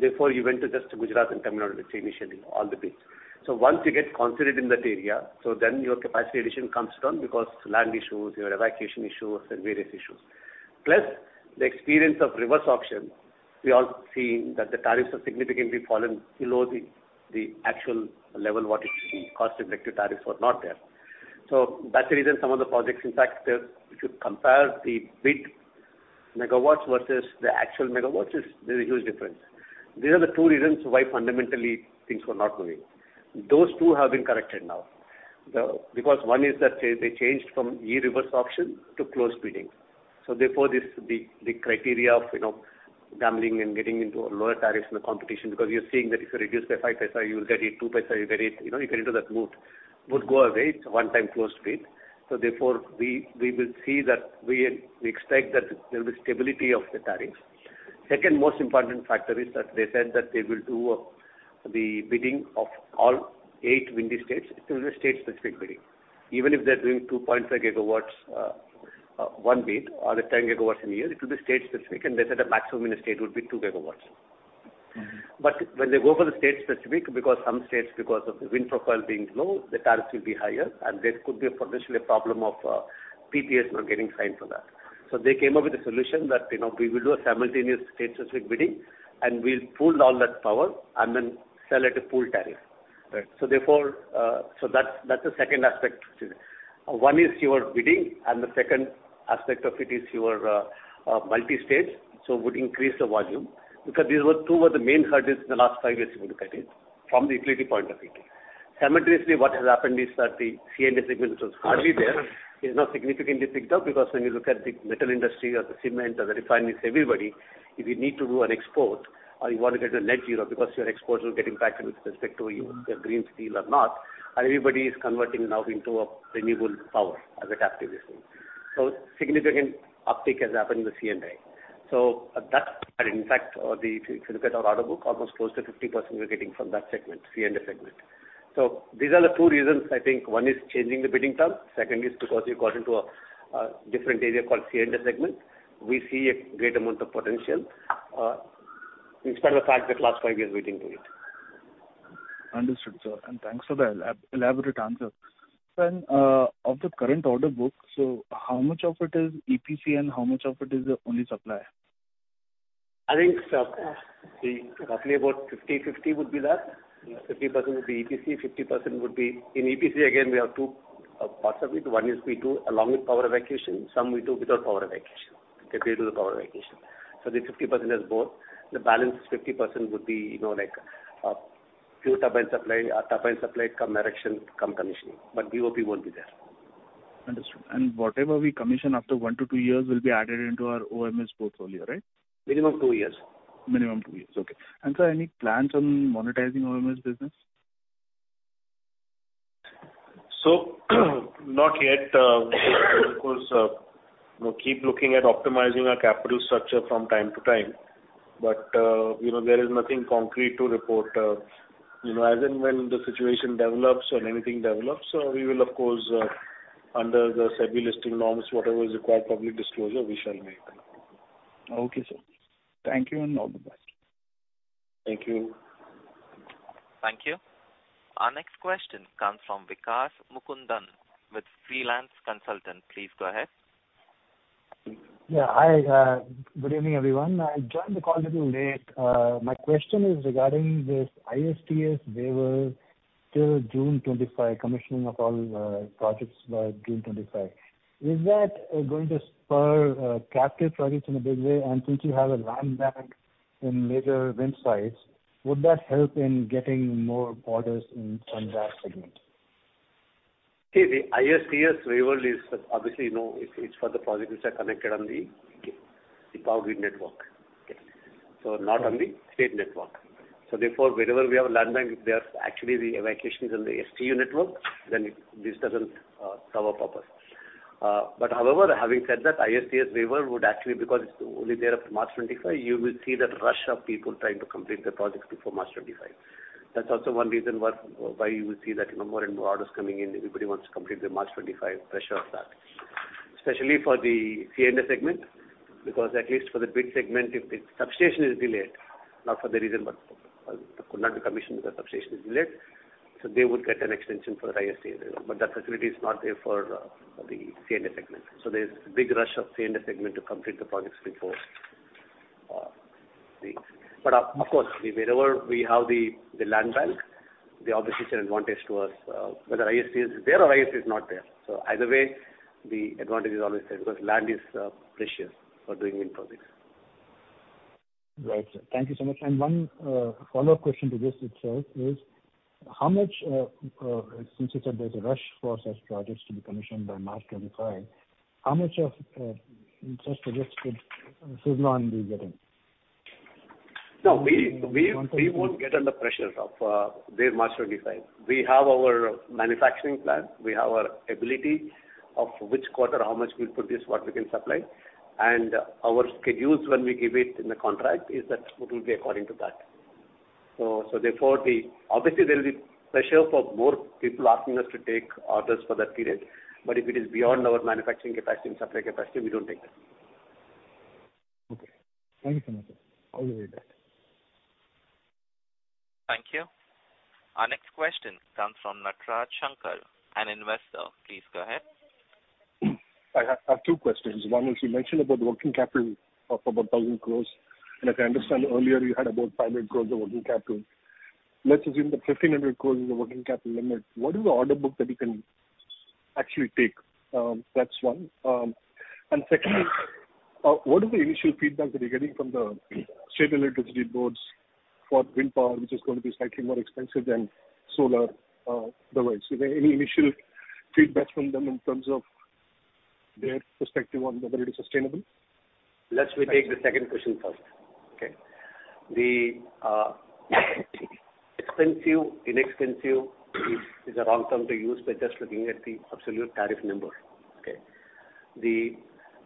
Therefore, you went to just Gujarat and Tamil Nadu, initially, all the bids. Once you get considered in that area, so then your capacity addition comes down because land issues, your evacuation issues and various issues. Plus, the experience of reverse auction, we all see that the tariffs have significantly fallen below the actual level, what it should be, cost effective tariffs were not there. That's the reason some of the projects, in fact, if you compare the bid megawatts versus the actual MW, is there's a huge difference. These are the two reasons why fundamentally things were not moving. Those two have been corrected now. Because one is that they changed from e-reverse auction to closed bidding. Therefore, this, the criteria of, you know, gambling and getting into a lower tariffs in the competition, because you're seeing that if you reduce by 5 paisa, you will get it, 2 paisa, you get it. You know, you get into that mood, would go away. It's a one-time closed bid. Therefore, we will see that we expect that there'll be stability of the tariffs. Second most important factor is that they said that they will do the bidding of all eight windy states. It will be state-specific bidding. Even if they're doing 2.5 GW one bid, or the 10 GW in a year, it will be state-specific, and they said the maximum in a state would be 2 GW. Mm-hmm. When they go for the state specific, because some states, because of the wind profile being low, the tariffs will be higher, and there could be a potentially a problem of PPs not getting signed for that. So they came up with a solution that, you know, we will do a simultaneous state specific bidding, and we'll pool all that power and then sell at a pool tariff. Right. Therefore, that's the second aspect. One is your bidding, and the second aspect of it is your multi-stage, so would increase the volume. Because these were two of the main hurdles in the last five years we were getting, from the utility point of view. Simultaneously, what has happened is that the C&I segment, which was hardly there, is now significantly picked up, because when you look at the metal industry or the cement or the refineries, everybody, if you need to do an export or you want to get a net zero, because your exports are getting impacted with respect to your green steel or not, and everybody is converting now into a renewable power as a captivity. Significant uptick has happened in the C&I. At that, in fact, the, if you look at our order book, almost close to 50%, we're getting from that segment, C&I segment. These are the two reasons I think. One is changing the bidding terms. Second is because you got into a different area called C&I segment. We see a great amount of potential, despite the fact that last five years we didn't do it. Understood, sir, thanks for the elaborate answer. Of the current order book, how much of it is EPC and how much of it is only supply? I think, the roughly about 50/50 would be that. 50% would be. In EPC, again, we have two parts of it. One is we do along with power evacuation, some we do without power evacuation. They do the power evacuation. The 50% is both. The balance 50% would be, you know, like, pure turbine supply, turbine supply come erection, come commissioning, but BOP won't be there. Understood. Whatever we commission after one to two years will be added into our O&M portfolio, right? Minimum two years. Minimum two years, okay. Sir, any plans on monetizing O&M business? Not yet, of course, we'll keep looking at optimizing our capital structure from time to time. You know, there is nothing concrete to report. You know, as and when the situation develops or anything develops, we will of course, under the SEBI listing norms, whatever is required public disclosure, we shall make them. Okay, sir. Thank you, and all the best. Thank you. Thank you. Our next question comes from Vikas Mukundan, with Freelance Consultant. Please go ahead. Yeah, hi, good evening, everyone. I joined the call a little late. My question is regarding this ISTS waiver till June 2025, commissioning of all projects by June 2025. Is that going to spur captive projects in a big way? Since you have a land bank in major wind sites, would that help in getting more orders in, on that segment? Okay. The ISTS waiver is obviously, you know, it's for the projects which are connected on the power grid network, okay? Not on the state network. Therefore, wherever we have a land bank, if they are actually the evacuation is on the STU network, then it this doesn't cover purpose. However, having said that, ISTS waiver would actually, because it's only there up to March 25, you will see that rush of people trying to complete the projects before March 25. That's also one reason why you will see that, you know, more and more orders coming in. Everybody wants to complete the March 25 pressure of that. Especially for the C&I segment, because at least for the bid segment, if the substation is delayed, not for the reason, but, could not be commissioned, the substation is delayed, so they would get an extension for the ISTS. That facility is not there for the C&I segment. There's a big rush of C&I segment to complete the projects before. Of course, wherever we have the land bank, there obviously is an advantage to us, whether ISTS is there or ISTS is not there. Either way, the advantage is always there, because land is precious for doing wind projects. Right. Thank you so much. One follow-up question to this itself is, how much since you said there's a rush for such projects to be commissioned by March 25, how much of such projects could Suzlon be getting? No, we won't get under the pressures of March 25. We have our manufacturing plan, we have our ability of which quarter, how much we'll produce, what we can supply. Our schedules, when we give it in the contract, is that it will be according to that. Therefore, obviously, there will be pressure for more people asking us to take orders for that period, but if it is beyond our manufacturing capacity and supply capacity, we don't take that. Okay. Thank you so much, sir. I'll leave it at that. Thank you. Our next question comes from Nataraj Shankar, an investor. Please go ahead. I have two questions. One is, you mentioned about the working capital of about 1,000 crores, and if I understand earlier, you had about 500 crores of working capital. Let's assume that 1,500 crores is the working capital limit. What is the order book that you can actually take? That's one. Secondly, what is the initial feedback that you're getting from the state electricity boards for wind power, which is going to be slightly more expensive than solar, otherwise? Is there any initial feedback from them in terms of their perspective on whether it is sustainable? Let me take the second question first. Okay. The expensive, inexpensive is a wrong term to use by just looking at the absolute tariff number, okay. The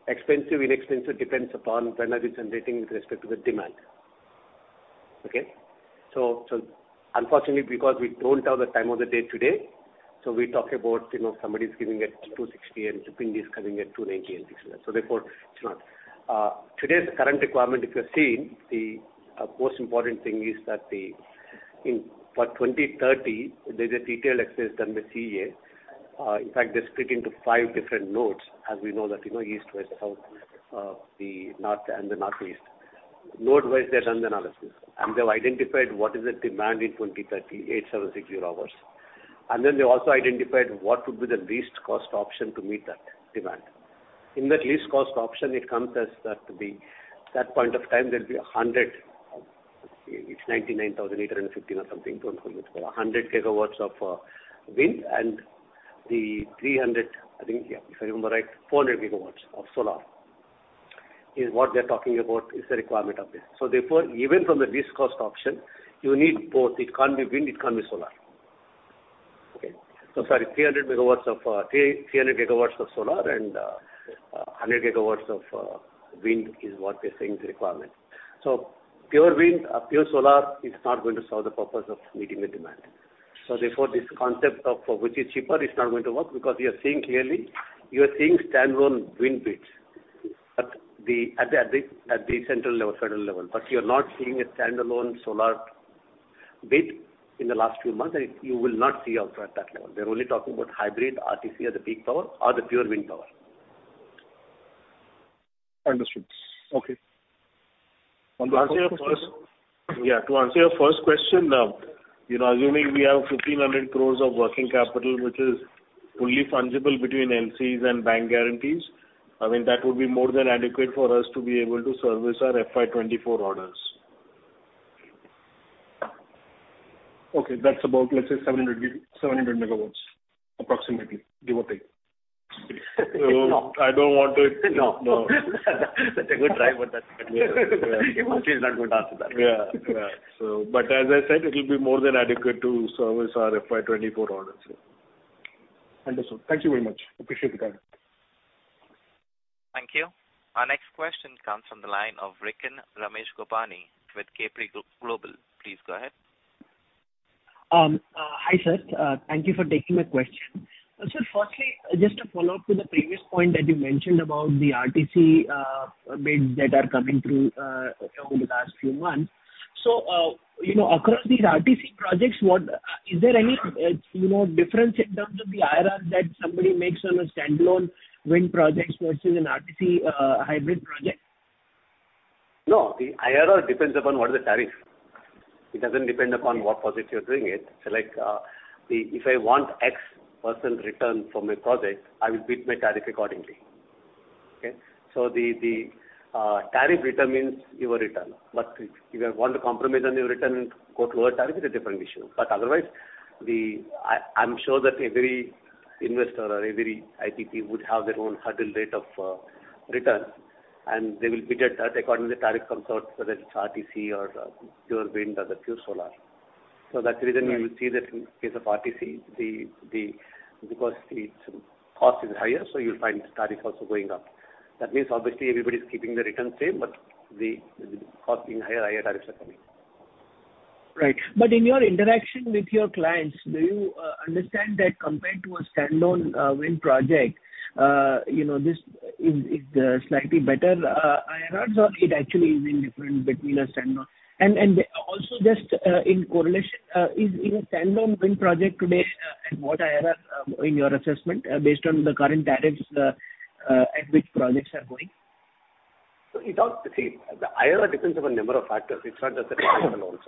expensive, inexpensive depends upon when are you generating with respect to the demand, okay. Unfortunately, because we don't have the time of the day today, so we talk about, you know, somebody's giving it 260, and somebody is giving it 290 and six months. Therefore, it's not. Today's current requirement, if you're seeing, the most important thing is that the for 2030, there's a detailed access done by CEA. In fact, they split into five different nodes, as we know that, you know, east, west, south, the north and the northeast. Node-wise, they've done the analysis, and they've identified what is the demand in 2030, eight, seven, six hours. They also identified what would be the least cost option to meet that demand. In that least cost option, it comes as that the, that point of time there'll be 100 GW, it's 99,815 or something, don't quote me, but 100 GW of wind and the 300 GW, I think, yeah, if I remember right, 400 GW of solar, is what they're talking about is the requirement of this. Therefore, even from the least cost option, you need both. It can't be wind, it can't be solar. Okay? Sorry, 300 MW of 300 GW of solar and 100 GW of wind is what they're saying is the requirement. Pure wind, pure solar is not going to solve the purpose of meeting the demand. Therefore, this concept of, which is cheaper, is not going to work because you are seeing clearly, you are seeing standalone wind bids at the, at the, at the central level, federal level, but you're not seeing a standalone solar bid in the last few months, and you will not see also at that level. They're only talking about hybrid RTC as a peak power or the pure wind power. Understood. Okay. To answer your first- One more question. To answer your first question, you know, assuming we have 1,500 crores of working capital, which is fully fungible between NCs and bank guarantees, I mean, that would be more than adequate for us to be able to service our FY 2024 orders. Okay. That's about, let's say, 700 MW, approximately, give or take? I don't want. No. No. Such a good try. Yeah. He's not going to answer that. Yeah. As I said, it will be more than adequate to service our FY 2024 orders. Understood. Thank you very much. Appreciate the time. Thank you. Our next question comes from the line of Riken Ramesh Gopani with Capri Global. Please go ahead. Hi, sir. Thank you for taking my question. Firstly, just to follow up to the previous point that you mentioned about the RTC bids that are coming through over the last few months. You know, across these RTC projects, what is there any, you know, difference in terms of the IRR that somebody makes on a standalone wind projects versus an RTC hybrid project? No, the IRR depends upon what is the tariff. It doesn't depend upon what project you're doing it. Like, if I want X% return from a project, I will bid my tariff accordingly. Okay? The tariff determines your return, but if you want to compromise on your return and go to lower tariff is a different issue. Otherwise, I'm sure that every investor or every IPP would have their own hurdle rate of return, and they will bid at that. According to the tariff comes out, whether it's RTC or pure wind or the pure solar. That's the reason you will see that in case of RTC, the because its cost is higher, so you'll find tariff also going up. That means obviously everybody's keeping the return same, but the cost being higher tariffs are coming. Right. In your interaction with your clients, do you understand that compared to a standalone wind project, you know, this is slightly better IRRs, or it actually is indifferent between a standalone? Also just in correlation, is, in a standalone wind project today, what IRR in your assessment, based on the current tariffs, at which projects are going? See, the IRR depends on a number of factors. It's not just the tariff alone,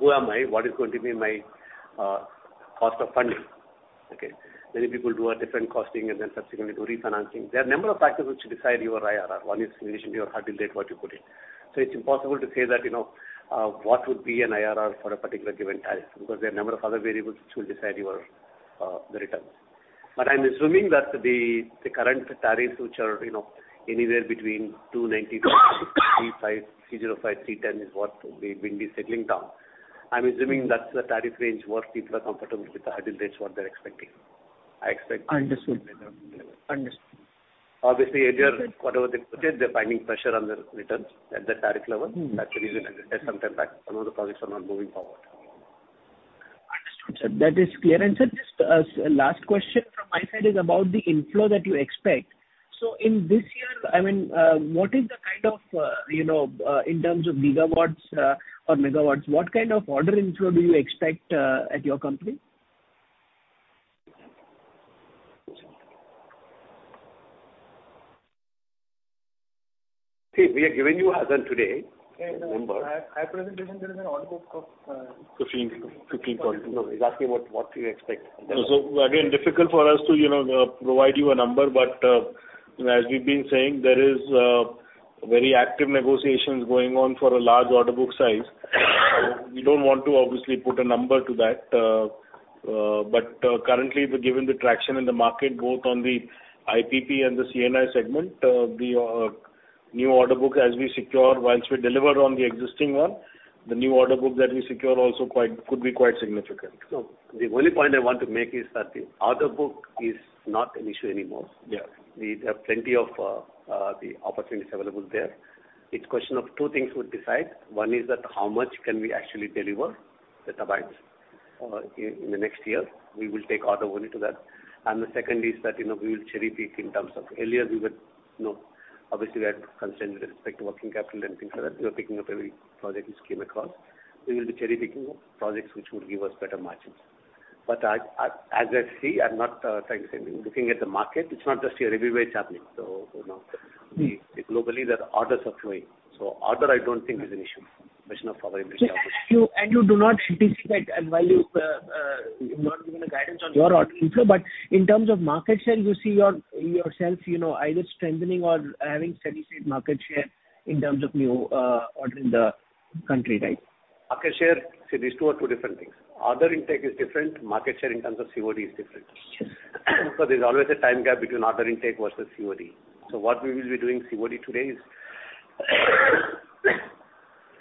who am I? What is going to be my cost of funding? Okay. Many people do a different costing and then subsequently do refinancing. There are a number of factors which decide your IRR. One is usually your hurdle rate, what you put in. It's impossible to say that, you know, what would be an IRR for a particular given tariff, because there are a number of other variables which will decide your the returns. I'm assuming that the current tariffs, which are, you know, anywhere between 2.90 to INR 3.05, 3.05, 3.10, is what the wind is settling down. I'm assuming that's the tariff range where people are comfortable with the hurdle rates, what they're expecting. Understood. Understood. Obviously, if they are, whatever they put it, they're finding pressure on their returns at that tariff level. Mm-hmm. That's the reason I said sometime back, some of the projects are not moving forward. Understood, sir. That is clear. Sir, just, last question from my side is about the inflow that you expect. In this year, I mean, what is the kind of, you know, in terms of gigawatts, or megawatts, what kind of order inflow do you expect, at your company? See, we are giving you as on today, remember. In my presentation, there is an order book of, 15 point. Exactly what we expect. Again, difficult for us to, you know, provide you a number, but as we've been saying, there is very active negotiations going on for a large order book size. We don't want to obviously put a number to that, but currently, given the traction in the market, both on the IPP and the C&I segment, the new order book as we secure, once we deliver on the existing one, the new order book that we secure could be quite significant. The only point I want to make is that the order book is not an issue anymore. Yeah. We have plenty of the opportunities available there. It's question of two things would decide. One is that how much can we actually deliver the turbines in the next year? We will take order only to that. The second is that, you know, we will cherry-pick in terms of, earlier, we were, you know, obviously, we had to concerned with respect to working capital and things like that. We were picking up every project which came across. We will be cherry-picking projects which would give us better margins. I, as I see, I'm not saying, looking at the market, it's not just here, everywhere it's happening. You know, globally, there are orders are flowing. Order, I don't think is an issue. Question of our industry. You do not anticipate, and while you've not given a guidance on your order inflow, but in terms of market share, you see yourself, you know, either strengthening or having steady-state market share in terms of new order in the country, right? Market share, see, these two are two different things. Order intake is different, market share in terms of COD is different. Yes. There's always a time gap between order intake versus COD. What we will be doing COD today is, orders we receive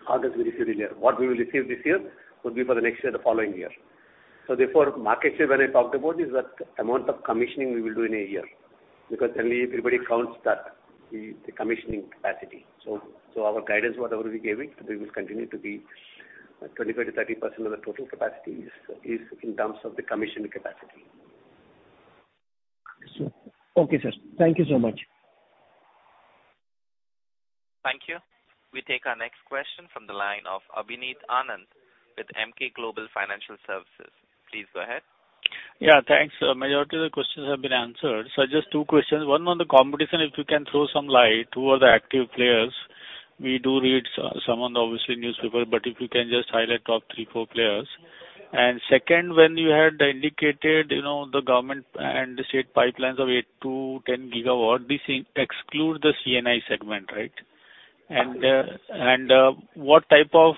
in a year. What we will receive this year will be for the next year, the following year. Therefore, market share, when I talked about, is that amount of commissioning we will do in a year, because generally everybody counts that, the commissioning capacity. Our guidance, whatever we gave it, we will continue to be 25%-30% of the total capacity is in terms of the commissioned capacity. Okay, sir. Thank you so much. Thank you. We take our next question from the line of Abhineet Anand with Emkay Global Financial Services. Please go ahead. Yeah, thanks. Majority of the questions have been answered. Just two questions. One on the competition, if you can throw some light, who are the active players? We do read some on obviously newspaper, but if you can just highlight top three, four players. Second, when you had indicated, you know, the government and the state pipelines of 8 GW-10 GW, this exclude the C&I segment, right? What type of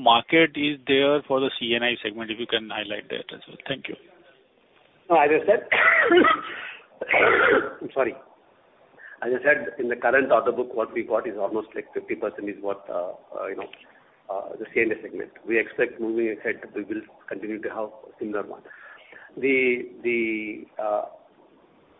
market is there for the C&I segment? If you can highlight that as well. Thank you. No, as I said, I'm sorry. As I said, in the current order book, what we got is almost like 50% is what, you know, the C&I segment. We expect moving ahead, we will continue to have similar one. The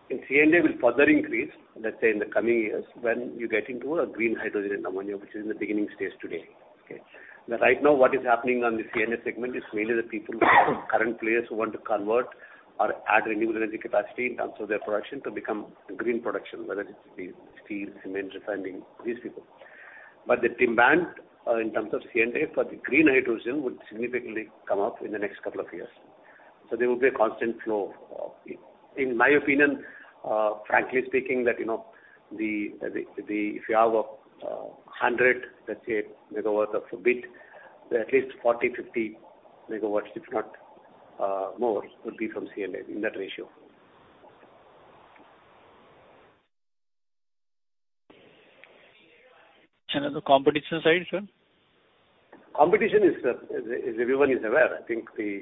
C&I will further increase, let's say, in the coming years, when you get into a green hydrogen and ammonia, which is in the beginning stages today. Okay? Right now, what is happening on the C&I segment is mainly the people, current players who want to convert or add renewable energy capacity in terms of their production to become green production, whether it's the steel, cement, refining, these people. The demand, in terms of C&I for the green hydrogen would significantly come up in the next couple of years. There will be a constant flow of it. In my opinion, frankly speaking, that, you know, if you have 100, let's say, MW of a bit, at least 40, 50 MW, if not more, would be from C&I in that ratio. On the competition side, sir? Competition is everyone is aware. I think the,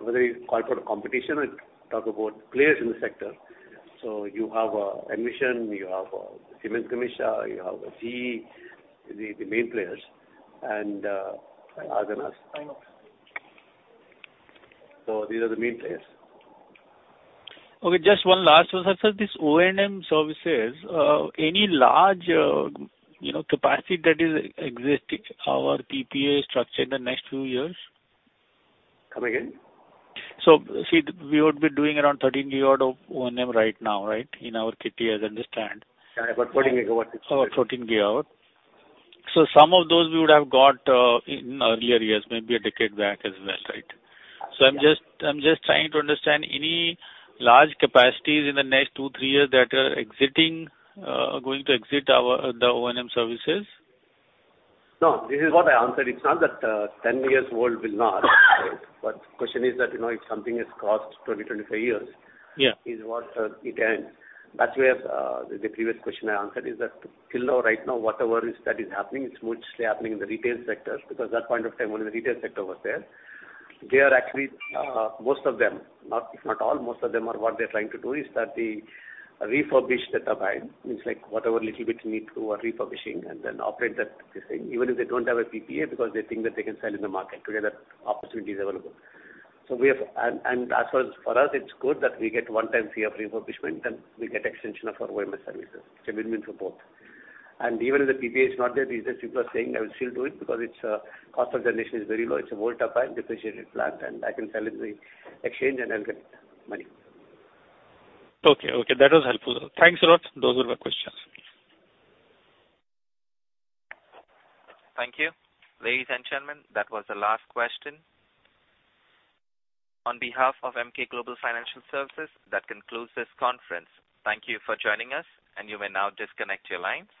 whether you call for competition or talk about players in the sector. You have, Envision, you have, Siemens Gamesa, you have GE, the main players, and, us and us. These are the main players. Okay, just one last one, sir. This O&M services, any large, you know, capacity that is existing our PPA structure in the next 2 years? Come again? See, we would be doing around 13 GW of O&M right now, right? In our kitty, as I understand. About 14 GW. About 14 GW. Some of those we would have got in earlier years, maybe a decade back as well, right? I'm just trying to understand any large capacities in the next two, three years that are exiting, going to exit our, the O&M services? No, this is what I answered. It's not that, 10 years old will not. The question is that, you know, if something is cost 20-25 years- Yeah. Is what it can. That's where the previous question I answered is that till now, right now, whatever is that is happening, it's mostly happening in the retail sector, because that point of time, only the retail sector was there. They are actually, most of them, not, if not all, most of them, are what they're trying to do is that they refurbish the turbine. It's like whatever little bit you need to, refurbishing and then operate that the same, even if they don't have a PPA, because they think that they can sell in the market. Today, that opportunity is available. As for us, it's good that we get one-time fee of refurbishment, and we get extension of our O&M services. It's a win-win for both. Even if the PPA is not there, these are people are saying, I will still do it because its cost of generation is very low. It's a old turbine, depreciated plant, and I can sell in the exchange, and I'll get money. Okay, okay. That was helpful. Thanks a lot. Those were my questions. Thank you. Ladies and gentlemen, that was the last question. On behalf of Emkay Global Financial Services, that concludes this conference. Thank you for joining us, and you may now disconnect your lines.